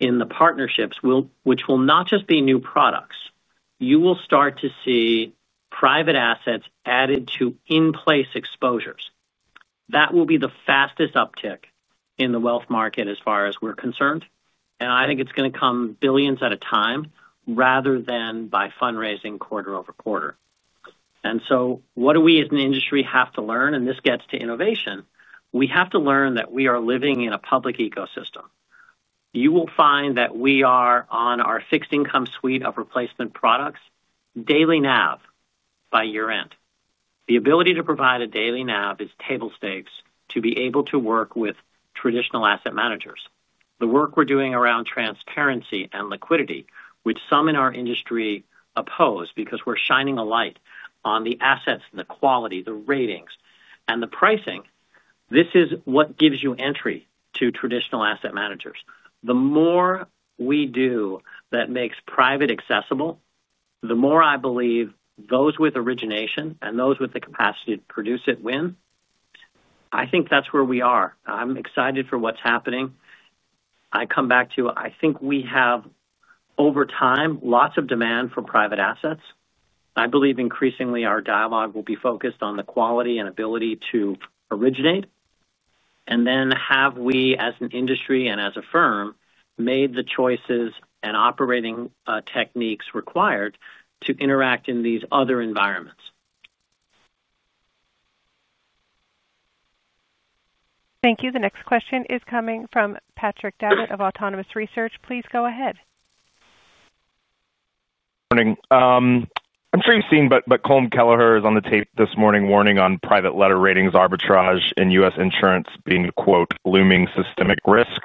in the partnerships, which will not just be new products. You will start to see private assets added to in-place exposures. That will be the fastest uptick in the wealth market as far as we're concerned. And I think it's going to come billions at a time rather than by fundraising quarter-over-quarter. And so what do we as an industry have to learn? And this gets to innovation, we have to learn that we are living in a public ecosystem. You will find that we are on our fixed income suite of replacement products, daily NAV by year-end. The ability to provide a daily NAV is table stakes to be able to work with traditional asset managers. The work we're doing around transparency and liquidity, which some in our industry oppose because we're shining a light on the assets, the quality, the ratings, and the pricing, this is what gives you entry to traditional asset managers. The more we do that makes private accessible, the more I believe those with origination and those with the capacity to produce it win. I think that's where we are. I'm excited for what's happening. I come back to, I think we have, over time, lots of demand for private assets. I believe increasingly our dialogue will be focused on the quality and ability to originate. And then have we, as an industry and as a firm, made the choices and operating techniques required to interact in these other environments? Thank you. The next question is coming from Patrick Davitt of Autonomous Research. Please go ahead. Morning. I'm sure you've seen, but Colm Kelleher is on the tape this morning warning on private letter ratings arbitrage in U.S. insurance being a "looming systemic risk."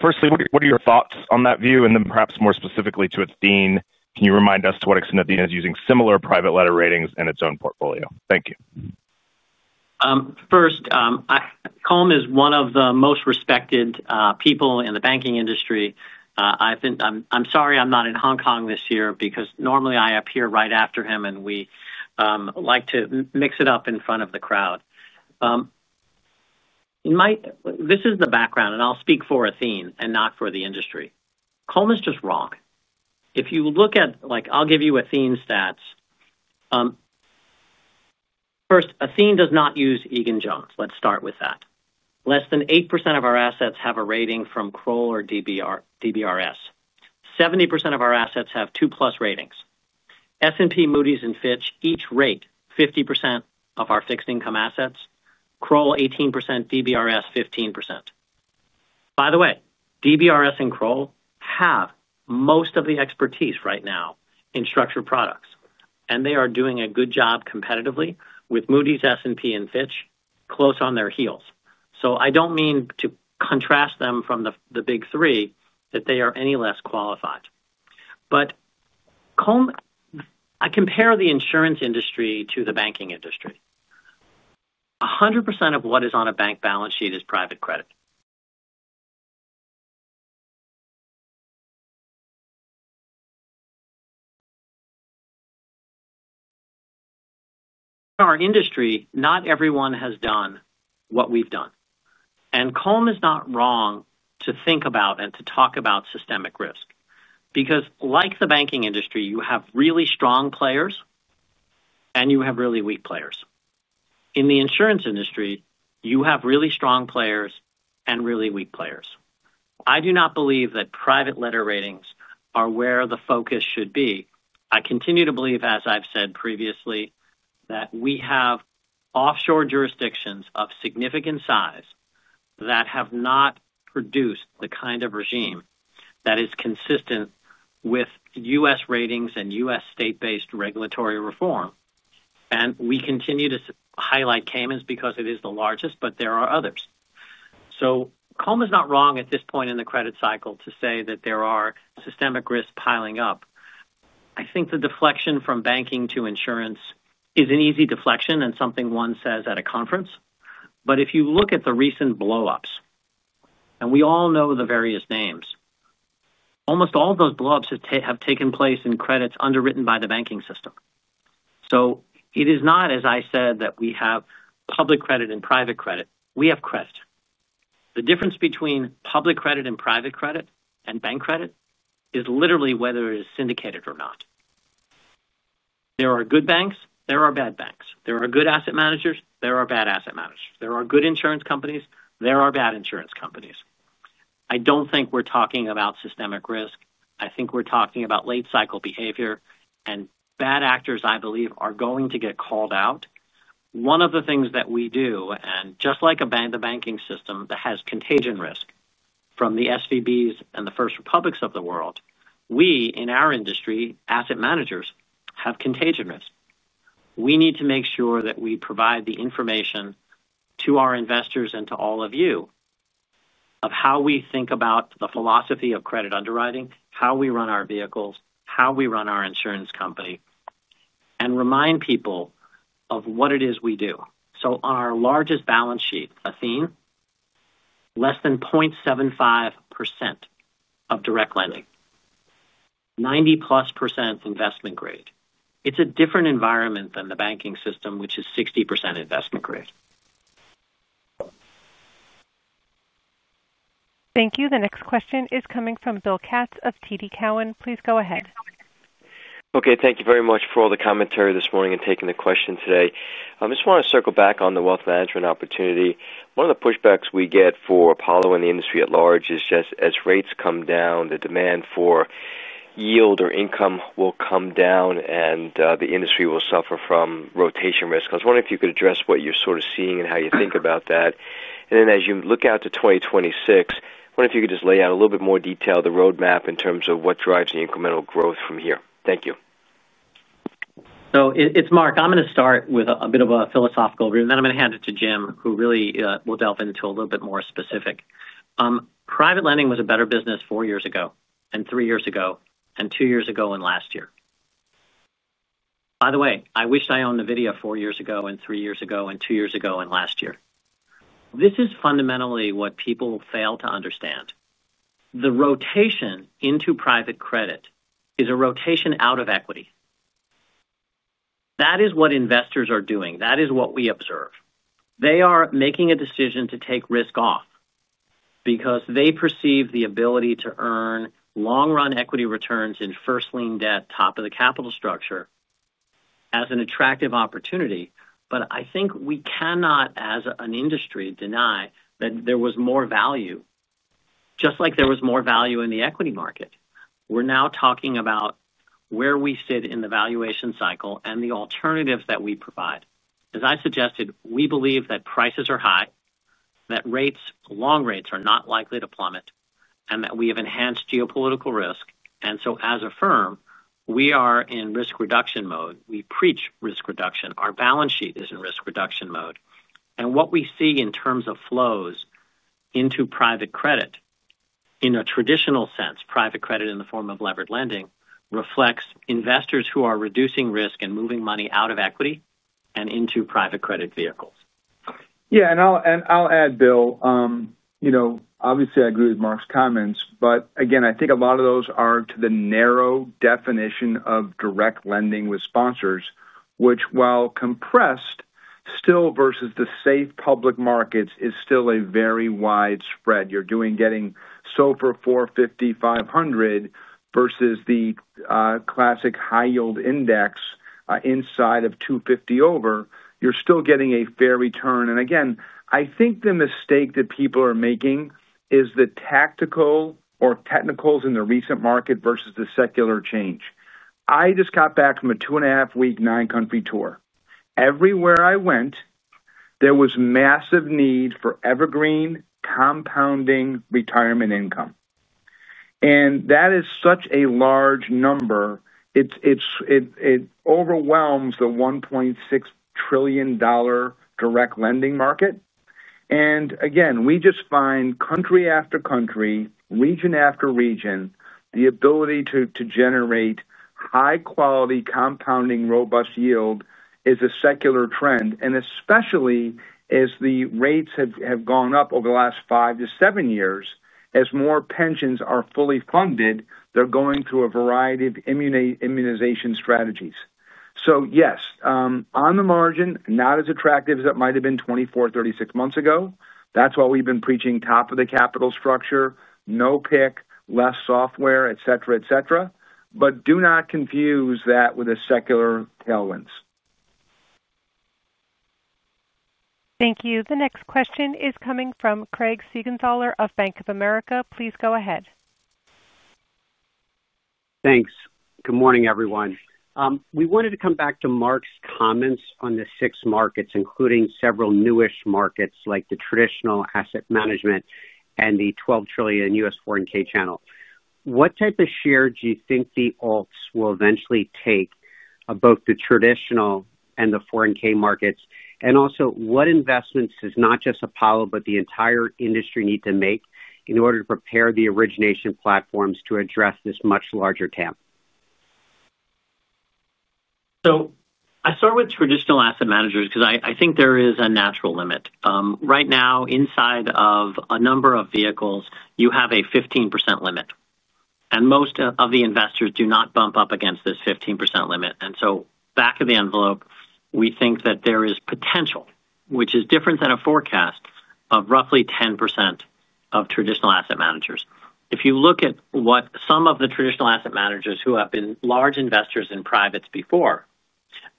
Firstly, what are your thoughts on that view? And then perhaps more specifically to Athene, can you remind us to what extent Athene is using similar private letter ratings in its own portfolio? Thank you. First. Colm is one of the most respected people in the banking industry. I'm sorry I'm not in Hong Kong this year because normally I appear right after him, and we like to mix it up in front of the crowd. This is the background, and I'll speak for Athene and not for the industry. Colm is just wrong. If you look at, I'll give you Athene stats. First, Athene does not use Egan Jones. Let's start with that. Less than 8% of our assets have a rating from Kroll or DBRS. 70% of our assets have 2+ ratings. S&P, Moody's, and Fitch, each rate 50% of our fixed income assets. Kroll 18%, DBRS 15%. By the way, DBRS and Kroll have most of the expertise right now in structured products, and they are doing a good job competitively with Moody's, S&P, and Fitch, close on their heels. So I don't mean to contrast them from the big three, that they are any less qualified. But I compare the insurance industry to the banking industry. 100% of what is on a bank balance sheet is private credit. In our industry, not everyone has done what we've done. And Colm is not wrong to think about and to talk about systemic risk because like the banking industry, you have really strong players and you have really weak players. In the insurance industry, you have really strong players and really weak players. I do not believe that private credit ratings are where the focus should be. I continue to believe, as I've said previously, that we have offshore jurisdictions of significant size that have not produced the kind of regime that is consistent with U.S. ratings and U.S. state-based regulatory reform. And we continue to highlight Cayman Islands because it is the largest, but there are others. So Colm is not wrong at this point in the credit cycle to say that there are systemic risks piling up. I think the deflection from banking to insurance is an easy deflection and something one says at a conference. But if you look at the recent blow-ups, and we all know the various names. Almost all of those blow-ups have taken place in credits underwritten by the banking system. So it is not, as I said, that we have public credit and private credit. We have credit. The difference between public credit and private credit and bank credit is literally whether it is syndicated or not. There are good banks. There are bad banks. There are good asset managers. There are bad asset managers. There are good insurance companies. There are bad insurance companies. I don't think we're talking about systemic risk. I think we're talking about late-cycle behavior and bad actors, I believe, are going to get called out. One of the things that we do, and just like the banking system that has contagion risk from the SVBs and the First Republics of the world. We, in our industry, asset managers, have contagion risk. We need to make sure that we provide the information to our investors and to all of you of how we think about the philosophy of credit underwriting, how we run our vehicles, how we run our insurance company and remind people of what it is we do. So on our largest balance sheet, Athene. Less than 0.75% of direct lending. 90%+ investment grade. It's a different environment than the banking system, which is 60% investment grade. Thank you. The next question is coming from Bill Katz of TD Cowen. Please go ahead. Okay. Thank you very much for all the commentary this morning and taking the question today. I just want to circle back on the wealth management opportunity. One of the pushbacks we get for Apollo and the industry at large is just as rates come down, the demand for yield or income will come down, and the industry will suffer from rotation risk. I was wondering if you could address what you're sort of seeing and how you think about that. And then as you look out to 2026, I wonder if you could just lay out a little bit more detail of the roadmap in terms of what drives the incremental growth from here. Thank you. So it's Marc. I'm going to start with a bit of a philosophical view, and then I'm going to hand it to Jim, who really will delve into a little bit more specific. Private lending was a better business four years ago, and three years ago, and two years ago, and last year. By the way, I wish I owned NVIDIA four years ago, and three years ago, and two years ago, and last year. This is fundamentally what people fail to understand. The rotation into private credit is a rotation out of equity. That is what investors are doing. That is what we observe. They are making a decision to take risk off because they perceive the ability to earn long-run equity returns in first-line debt, top of the capital structure as an attractive opportunity. I think we cannot, as an industry, deny that there was more value, just like there was more value in the equity market we're now talking about. Where we sit in the valuation cycle and the alternatives that we provide. As I suggested, we believe that prices are high, that rates, long rates, are not likely to plummet, and that we have enhanced geopolitical risk. And so as a firm, we are in risk reduction mode. We preach risk reduction. Our balance sheet is in risk reduction mode. And what we see in terms of flows into private credit, in a traditional sense, private credit in the form of levered lending, reflects investors who are reducing risk and moving money out of equity and into private credit vehicles. Yeah. And I'll add, Bill. Obviously, I agree with Marc's comments but again, I think a lot of those are to the narrow definition of direct lending with sponsors, which, while compressed, still versus the safe public markets, is still very widespread. You're getting SOFR 450, 500 versus the classic high-yield index inside of 250 over. You're still getting a fair return. And again, I think the mistake that people are making is the tactical or technicals in the recent market versus the secular change. I just got back from a two-and-a-half-week nine-country tour. Everywhere I went, there was massive need for evergreen compounding retirement income. And that is such a large number. It overwhelms the $1.6 trillion direct lending market. And again, we just find country after country, region after region, the ability to generate high-quality compounding robust yield is a secular trend. And especially as the rates have gone up over the last five to seven years, as more pensions are fully funded, they're going through a variety of immunization strategies. So yes, on the margin, not as attractive as it might have been 24, 36 months ago. That's why we've been preaching top of the capital structure, no pick, less software, etc., but do not confuse that with a secular tailwinds. Thank you. The next question is coming from Craig Siegenthaler of Bank of America. Please go ahead. Thanks. Good morning, everyone. We wanted to come back to Marc's comments on the six markets, including several newish markets like the traditional asset management and the $12 trillion U.S. 401(k) channel. What type of share do you think the alts will eventually take of both the traditional and the 401(k) markets? Also, what investments does not just Apollo but the entire industry need to make in order to prepare the origination platforms to address this much larger TAM? So I start with traditional asset managers because I think there is a natural limit. Right now, inside of a number of vehicles, you have a 15% limit and most of the investors do not bump up against this 15% limit. And so back of the envelope, we think that there is potential, which is different than a forecast of roughly 10% of traditional asset managers. If you look at what some of the traditional asset managers who have been large investors in privates before,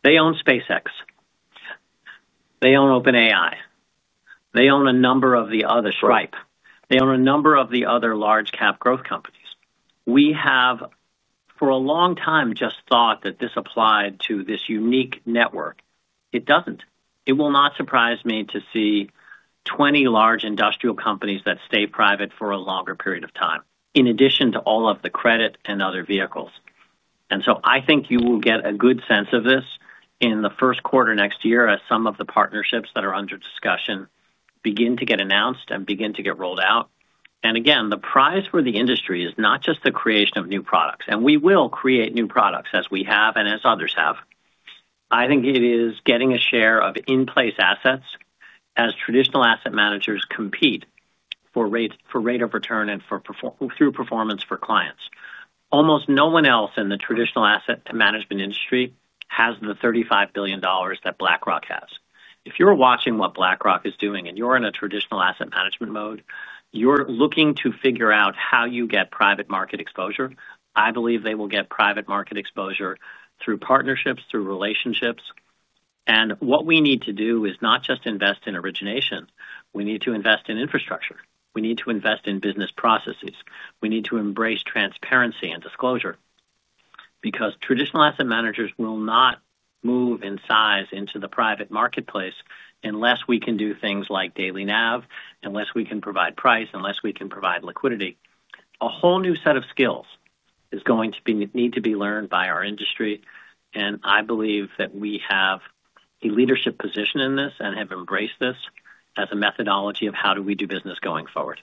they own SpaceX, they own OpenAI, they own a number of the other Stripe. They own a number of the other large-cap growth companies. We have, for a long time, just thought that this applied to this unique network. It doesn't. It will not surprise me to see 20 large industrial companies that stay private for a longer period of time, in addition to all of the credit and other vehicles. And so I think you will get a good sense of this in the first quarter next year as some of the partnerships that are under discussion begin to get announced and begin to get rolled out. And again, the prize for the industry is not just the creation of new products. And we will create new products as we have and as others have. I think it is getting a share of in-place assets as traditional asset managers compete for rate of return and through performance for clients. Almost no one else in the traditional asset management industry has the $35 billion that BlackRock has. If you're watching what BlackRock is doing and you're in a traditional asset management mode, you're looking to figure out how you get private market exposure. I believe they will get private market exposure through partnerships, through relationships. And what we need to do is not just invest in origination. We need to invest in infrastructure. We need to invest in business processes. We need to embrace transparency and disclosure. Because traditional asset managers will not move in size into the private marketplace unless we can do things like daily NAV, unless we can provide price, unless we can provide liquidity. A whole new set of skills is going to need to be learned by our industry. And I believe that we have a leadership position in this and have embraced this as a methodology of how do we do business going forward.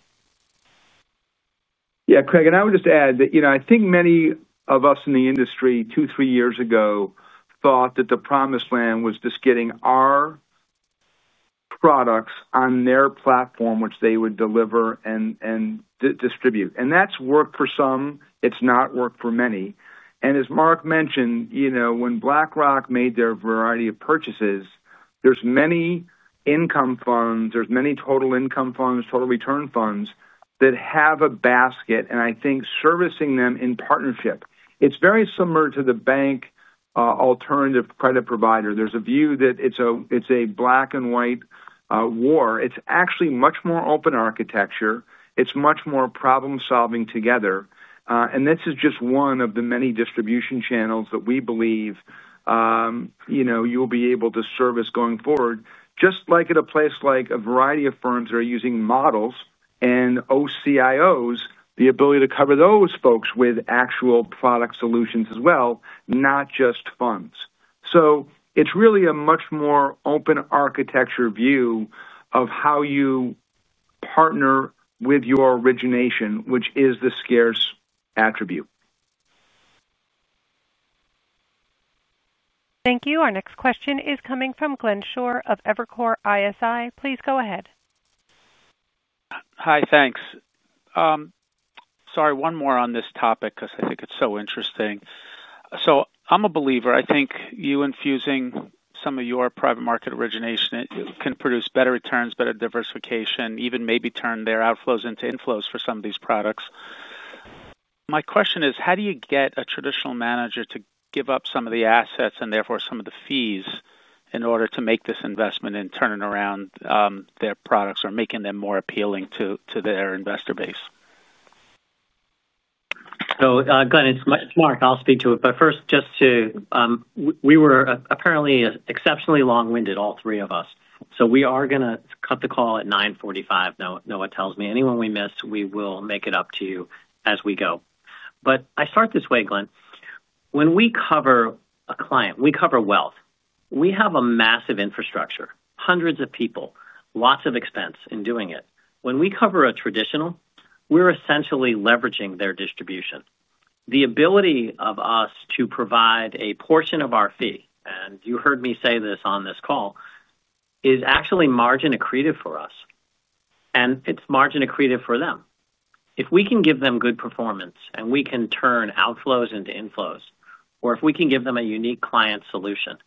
Yeah, Craig. And I would just add that I think many of us in the industry two, three years ago thought that the promised land was just getting our products on their platform, which they would deliver and distribute. And that's worked for some it's not worked for many. And as Mark mentioned, when BlackRock made their variety of purchases, there's many income funds, there's many total income funds, total return funds that have a basket. And I think servicing them in partnership, it's very similar to the bank alternative credit provider. There's a view that it's a black-and-white war. It's actually much more open architecture. It's much more problem-solving together. And this is just one of the many distribution channels that we believe you'll be able to service going forward, just like at a place like a variety of firms that are using models and OCIOs, the ability to cover those folks with actual product solutions as well, not just funds. So it's really a much more open architecture view of how you partner with your origination, which is the scarce attribute. Thank you. Our next question is coming from Glenn Schorr of Evercore ISI. Please go ahead. Hi, thanks. Sorry, one more on this topic because I think it's so interesting. So I'm a believer. I think you infusing some of your private market origination can produce better returns, better diversification, even maybe turn their outflows into inflows for some of these products. My question is, how do you get a traditional manager to give up some of the assets and therefore some of the fees in order to make this investment and turn around their products or making them more appealing to their investor base? So Glenn, it's Marc. I'll speak to it. But first, just to we were apparently exceptionally long-winded, all three of us. So we are going to cut the call at 9:45 A.M. Noah tells me. Anyone we miss, we will make it up to you as we go. But I start this way, Glenn. When we cover a client, we cover wealth. We have a massive infrastructure, hundreds of people, lots of expense in doing it. When we cover a traditional, we're essentially leveraging their distribution. The ability of us to provide a portion of our fee, and you heard me say this on this call, it is actually margin accretive for us and it is margin accretive for them. If we can give them good performance and we can turn outflows into inflows, or if we can give them a unique client solution,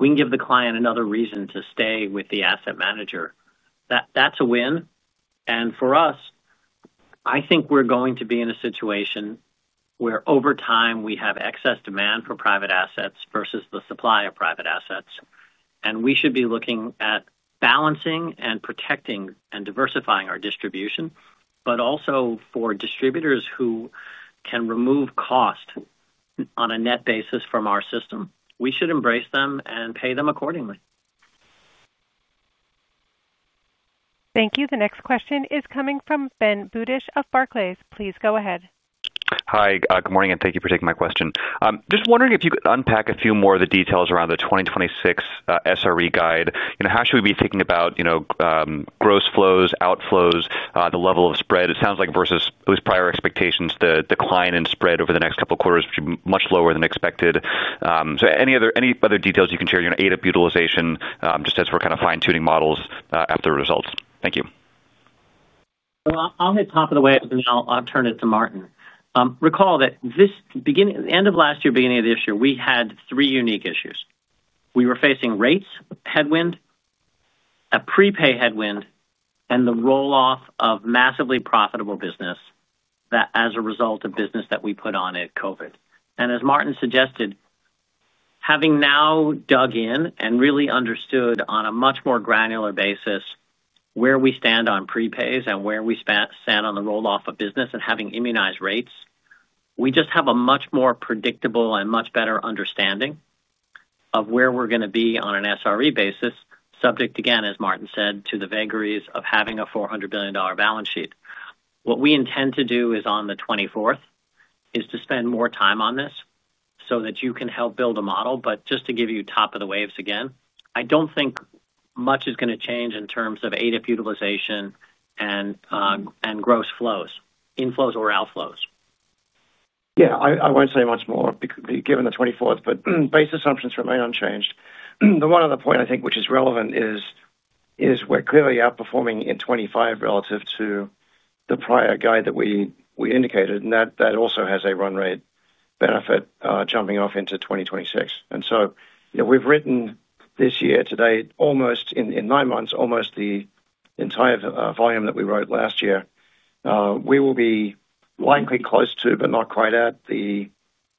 we can give the client another reason to stay with the asset manager, that is a win. And for us, I think we are going to be in a situation where over time we have excess demand for private assets versus the supply of private assets. And we should be looking at balancing and protecting and diversifying our distribution, but also for distributors who can remove cost on a net basis from our system, we should embrace them and pay them accordingly. Thank you. The next question is coming from Ben Budish of Barclays. Please go ahead. Hi, good morning, and thank you for taking my question. Just wondering if you could unpack a few more of the details around the 2026 SRE guide. How should we be thinking about gross flows, outflows, the level of spread? It sounds like versus those prior expectations, the decline in spread over the next couple of quarters would be much lower than expected. So any other details you can share? ADAP utilization, just as we are kind of fine-tuning models after the results. Thank you. Well, I will hit top line, and then I will turn it to Martin. Recall that the end of last year, beginning of this year, we had three unique issues. We were facing rates headwind, a prepay headwind, and the roll-off of massively profitable business as a result of business that we put on at COVID. And as Martin suggested, having now dug in and really understood on a much more granular basis where we stand on prepays and where we stand on the roll-off of business and having immunized rates, we just have a much more predictable and much better understanding of where we are going to be on an SRE basis, subject, again, as Martin said, to the vagaries of having a $400 billion balance sheet. What we intend to do on the 24th is to spend more time on this so that you can help build a model. But just to give you top line again, I do not think much is going to change in terms of ADAP utilization and gross flows, inflows or outflows. Yeah, I will not say much more given the 24th, but base assumptions remain unchanged. The one other point I think which is relevant is we are clearly outperforming in 2025 relative to the prior guide that we indicated, and that also has a run rate benefit jumping off into 2026. And so we have written this year to date, almost in nine months, almost the entire volume that we wrote last year. We will be likely close to, but not quite at the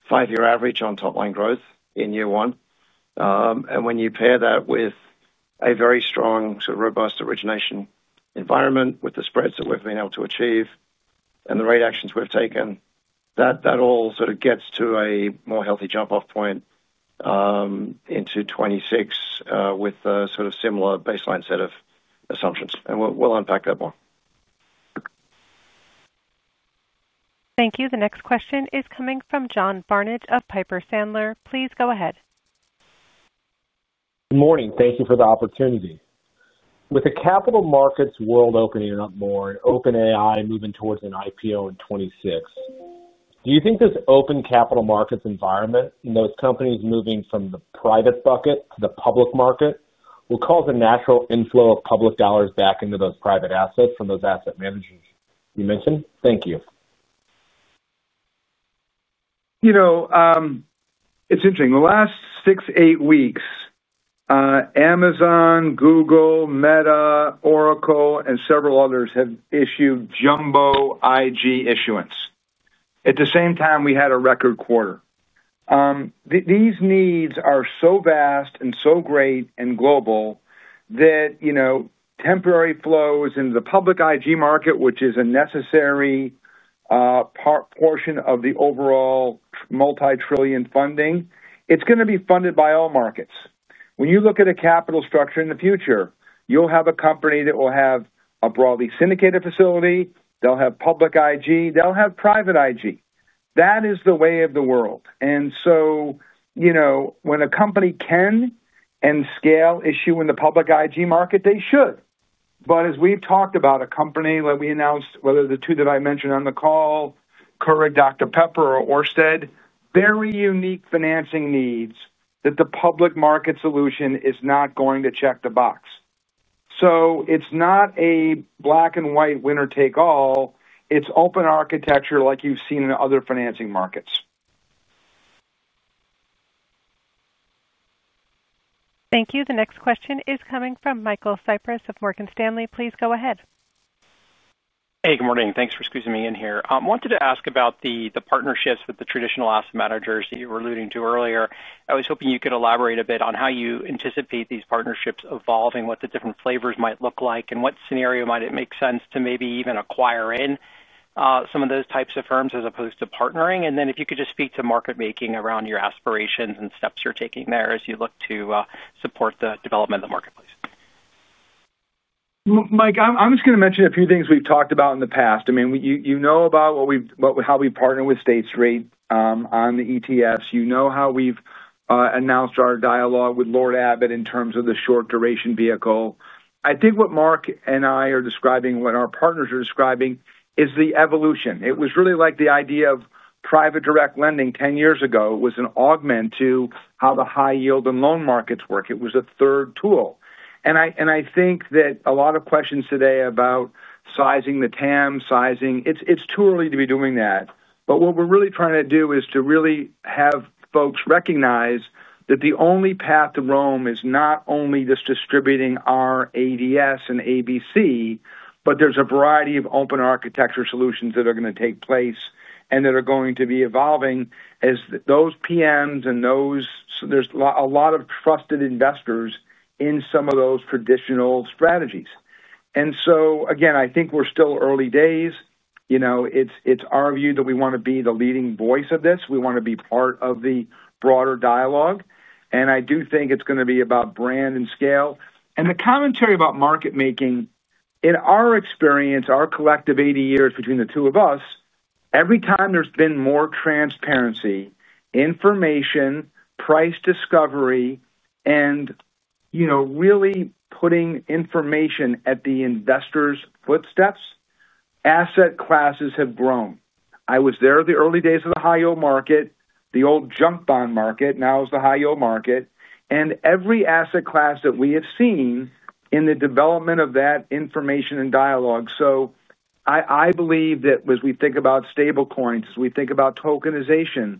five-year average on top-line growth in year one. And when you pair that with a very strong, sort of robust origination environment, with the spreads that we've been able to achieve and the rate actions we've taken, that all sort of gets to a more healthy jump-off point into 2026 with a sort of similar baseline set of assumptions. And we'll unpack that more. Thank you. The next question is coming from John Barnidge of Piper Sandler. Please go ahead. Good morning. Thank you for the opportunity. With the capital markets world opening up more and OpenAI moving towards an IPO in 2026. Do you think this open capital markets environment and those companies moving from the private bucket to the public market will cause a natural inflow of public dollars back into those private assets from those asset managers you mentioned? Thank you. It's interesting. The last six, eight weeks. Amazon, Google, Meta, Oracle, and several others have issued jumbo IG issuance. At the same time, we had a record quarter. These needs are so vast and so great and global that temporary flows into the public IG market, which is a necessary. Portion of the overall multi-trillion funding, it's going to be funded by all markets. When you look at a capital structure in the future, you'll have a company that will have a broadly syndicated facility, they'll have public IG, they'll have private IG. That is the way of the world. And so, when a company can and scale issue in the public IG market, they should but as we've talked about a company that we announced, whether the two that I mentioned on the call, Keurig Dr Pepper, or Orsted, very unique financing needs that the public market solution is not going to check the box. So it's not a black-and-white winner-take-all it's open architecture like you've seen in other financing markets. Thank you. The next question is coming from Michael Cyprys of Morgan Stanley. Please go ahead. Hey, good morning. Thanks for squeezing me in here. I wanted to ask about the partnerships with the traditional asset managers you were alluding to earlier. I was hoping you could elaborate a bit on how you anticipate these partnerships evolving, what the different flavors might look like, and what scenario might it make sense to maybe even acquire in some of those types of firms as opposed to partnering. And then if you could just speak to market-making around your aspirations and steps you're taking there as you look to support the development of the marketplace. Mike, I'm just going to mention a few things we've talked about in the past. I mean, you know about how we partner with State Street on the ETFs. You know how we've announced our dialogue with Lord Abbett in terms of the short-duration vehicle. I think what Marc and I are describing, what our partners are describing, is the evolution. It was really like the idea of private direct lending 10 years ago. It was an augment to how the high-yield and loan markets work. It was a third tool. And I think that a lot of questions today about sizing the TAM, sizing, it's too early to be doing that. But what we're really trying to do is to really have folks recognize that the only path to Rome is not only just distributing our ADS and ABC, but there's a variety of open architecture solutions that are going to take place and that are going to be evolving as those PMs and those, there's a lot of trusted investors in some of those traditional strategies. And so, again, I think we're still early days. It's our view that we want to be the leading voice of this. We want to be part of the broader dialogue. And I do think it's going to be about brand and scale. And the commentary about market-making, in our experience, our collective 80 years between the two of us, every time there's been more transparency, information, price discovery, and really putting information at the investor's footsteps, asset classes have grown. I was there at the early days of the high-yield market, the old junk bond market. Now it's the high-yield market and every asset class that we have seen in the development of that information and dialogue. So I believe that as we think about stablecoins, as we think about tokenization,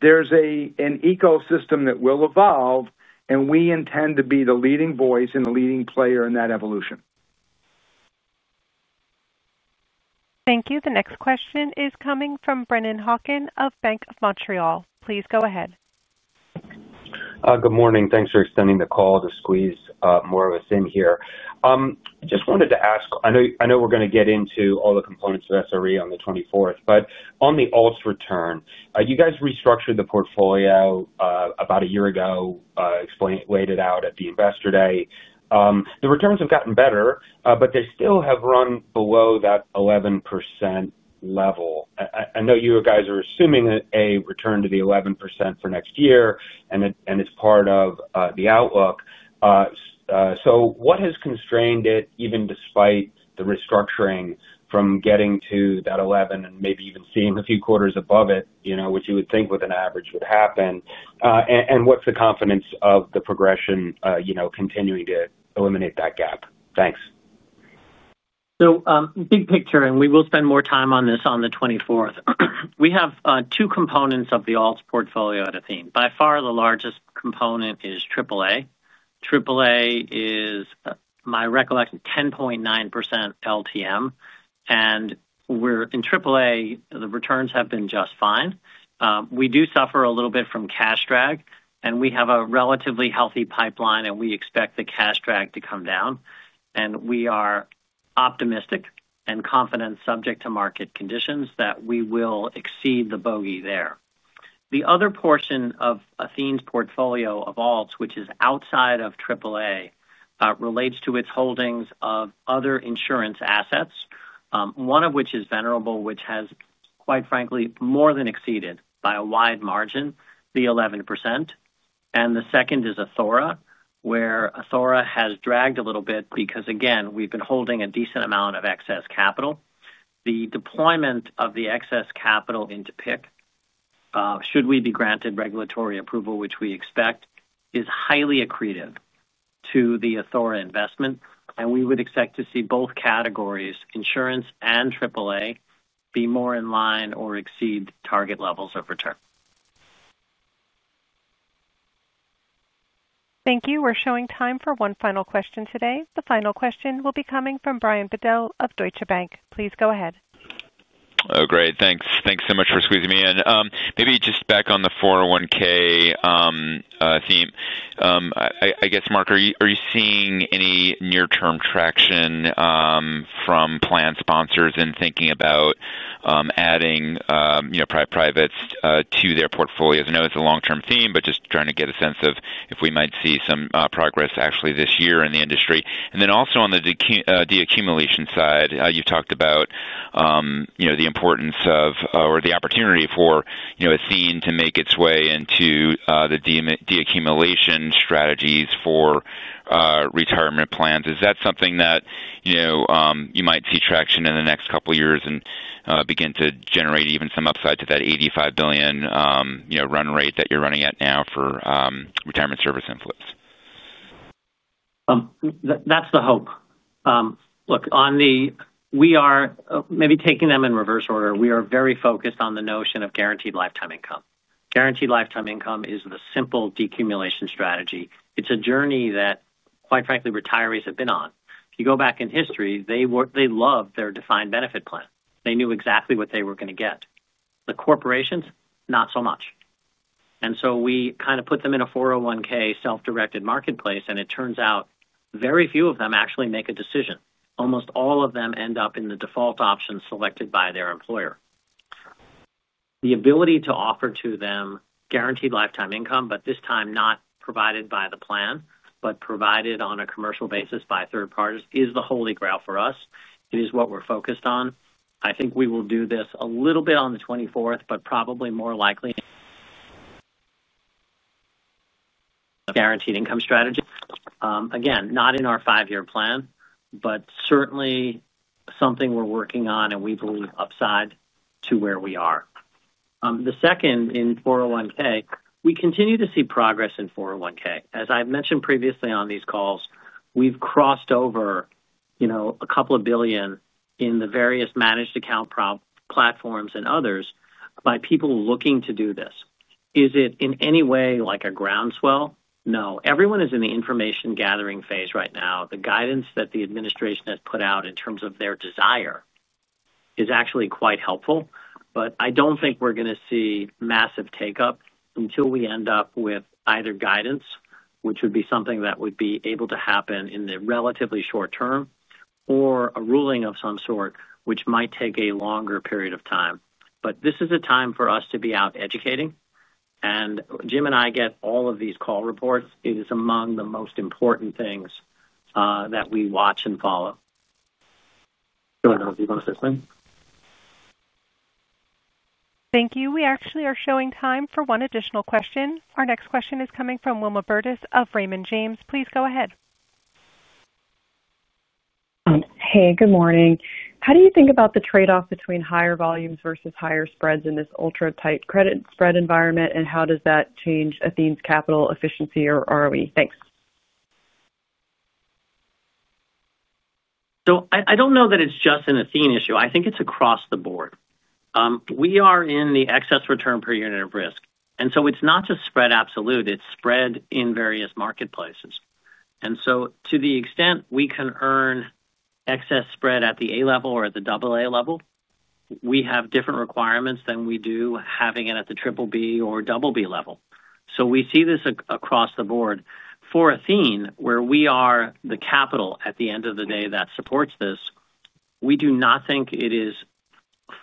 there's an ecosystem that will evolve, and we intend to be the leading voice and the leading player in that evolution. Thank you. The next question is coming from Brennan Hawken of Bank of Montreal. Please go ahead. Good morning. Thanks for extending the call to squeeze more of us in here. I just wanted to ask, I know we're going to get into all the components of SRE on the 24th but on the alts return, you guys restructured the portfolio about a year ago, laid it out at the investor day. The returns have gotten better, but they still have run below that 11% level. I know you guys are assuming a return to the 11% for next year, and it's part of the outlook. So what has constrained it, even despite the restructuring, from getting to that 11% and maybe even seeing a few quarters above it, which you would think with an average would happen? And what's the confidence of the progression continuing to eliminate that gap? Thanks. So big picture, and we will spend more time on this on the 24th. We have two components of the alts portfolio at Athene. By far, the largest component is AAA. AAA is my recollection, 10.9% LTM. And in AAA, the returns have been just fine. We do suffer a little bit from cash drag, and we have a relatively healthy pipeline, and we expect the cash drag to come down. And we are optimistic and confident, subject to market conditions, that we will exceed the bogey there. The other portion of Athene's portfolio of alts, which is outside of AAA, relates to its holdings of other insurance assets, one of which is Venerable, which has, quite frankly, more than exceeded by a wide margin, the 11%. And the second is Athora, where Athora has dragged a little bit because, again, we've been holding a decent amount of excess capital. The deployment of the excess capital into PIC. Should we be granted regulatory approval, which we expect, is highly accretive to the Athora investment. And we would expect to see both categories, insurance and AAA, be more in line or exceed target levels of return. Thank you. We're showing time for one final question today. The final question will be coming from Brian Bedell of Deutsche Bank. Please go ahead. Oh, great. Thanks. Thanks so much for squeezing me in. Maybe just back on the 401(k) theme. I guess, Marc, are you seeing any near-term traction from plan sponsors in thinking about adding private to their portfolios? I know it's a long-term theme, but just trying to get a sense of if we might see some progress actually this year in the industry. And then also on the de-accumulation side, you've talked about the importance of or the opportunity for Athene to make its way into the de-accumulation strategies for retirement plans. Is that something that you might see traction in the next couple of years and begin to generate even some upside to that $85 billion run rate that you're running at now for retirement service inflows? That's the hope. Look. We are maybe taking them in reverse order. We are very focused on the notion of guaranteed lifetime income. Guaranteed lifetime income is the simple de-accumulation strategy. It's a journey that, quite frankly, retirees have been on. If you go back in history, they loved their defined benefit plan. They knew exactly what they were going to get, the corporations, not so much. And so we kind of put them in a 401(k) self-directed marketplace, and it turns out very few of them actually make a decision. Almost all of them end up in the default option selected by their employer. The ability to offer to them guaranteed lifetime income, but this time not provided by the plan, but provided on a commercial basis by third-parties, is the holy grail for us. It is what we're focused on. I think we will do this a little bit on the 24th, but probably more likely guaranteed income strategy. Again, not in our five-year plan, but certainly something we're working on and we believe upside to where we are. The second in 401(k), we continue to see progress in 401(k). As I've mentioned previously on these calls, we've crossed over a couple of billion in the various managed account platforms and others by people looking to do this. Is it in any way like a groundswell? No. Everyone is in the information-gathering phase right now. The guidance that the administration has put out in terms of their desire is actually quite helpful, but I don't think we're going to see massive take-up until we end up with either guidance, which would be something that would be able to happen in the relatively short-term, or a ruling of some sort, which might take a longer period of time. But this is a time for us to be out educating, and Jim and I get all of these call reports. It is among the most important things that we watch and follow. Do you want to go to the next one? Thank you. We actually are showing time for one additional question. Our next question is coming from Wilma Burdis of Raymond James. Please go ahead. Hey, good morning. How do you think about the trade-off between higher volumes versus higher spreads in this ultra-tight credit spread environment, and how does that change Athene's capital efficiency or ROE? Thanks. So I don't know that it's just an Athene issue, I think it's across the board. We are in the excess return per unit of risk, and so it's not just spread absolute. It's spread in various marketplaces, and so to the extent we can earn excess spread at the A level or at the AA level, we have different requirements than we do having it at the BBB or BB level. So we see this across the board. For Athene, where we are the capital at the end of the day that supports this, we do not think it is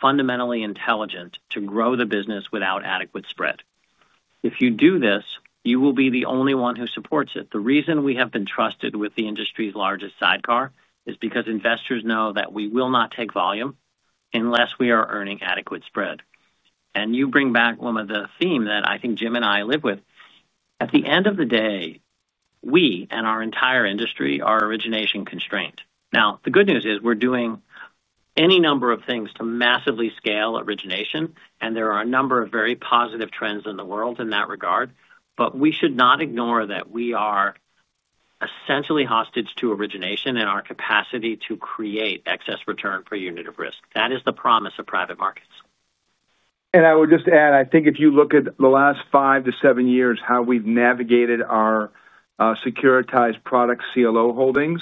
fundamentally intelligent to grow the business without adequate spread. If you do this, you will be the only one who supports it. The reason we have been trusted with the industry's largest sidecar is because investors know that we will not take volume unless we are earning adequate spread, and you bring back one of the themes that I think Jim and I live with. At the end of the day, we and our entire industry are origination-constrained. Now, the good news is we're doing any number of things to massively scale origination, and there are a number of very positive trends in the world in that regard. But we should not ignore that we are essentially hostage to origination and our capacity to create excess return per unit of risk. That is the promise of private markets. I would just add, I think if you look at the last five to seven years, how we've navigated our securitized product CLO holdings,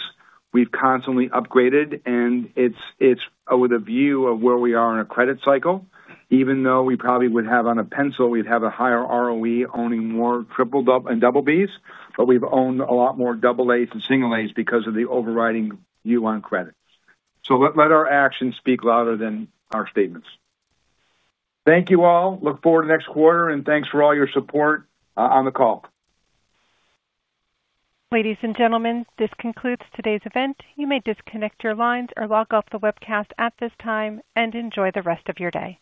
we've constantly upgraded, and it's with a view of where we are in a credit cycle, even though we probably would have on a pencil, we'd have a higher ROE owning more triple and BBs, but we've owned a lot more AAs and single A's because of the overriding view on credit. So let our actions speak louder than our statements. Thank you all. Look forward to next quarter, and thanks for all your support on the call. Ladies and gentlemen, this concludes today's event. You may disconnect your lines or log off the webcast at this time and enjoy the rest of your day.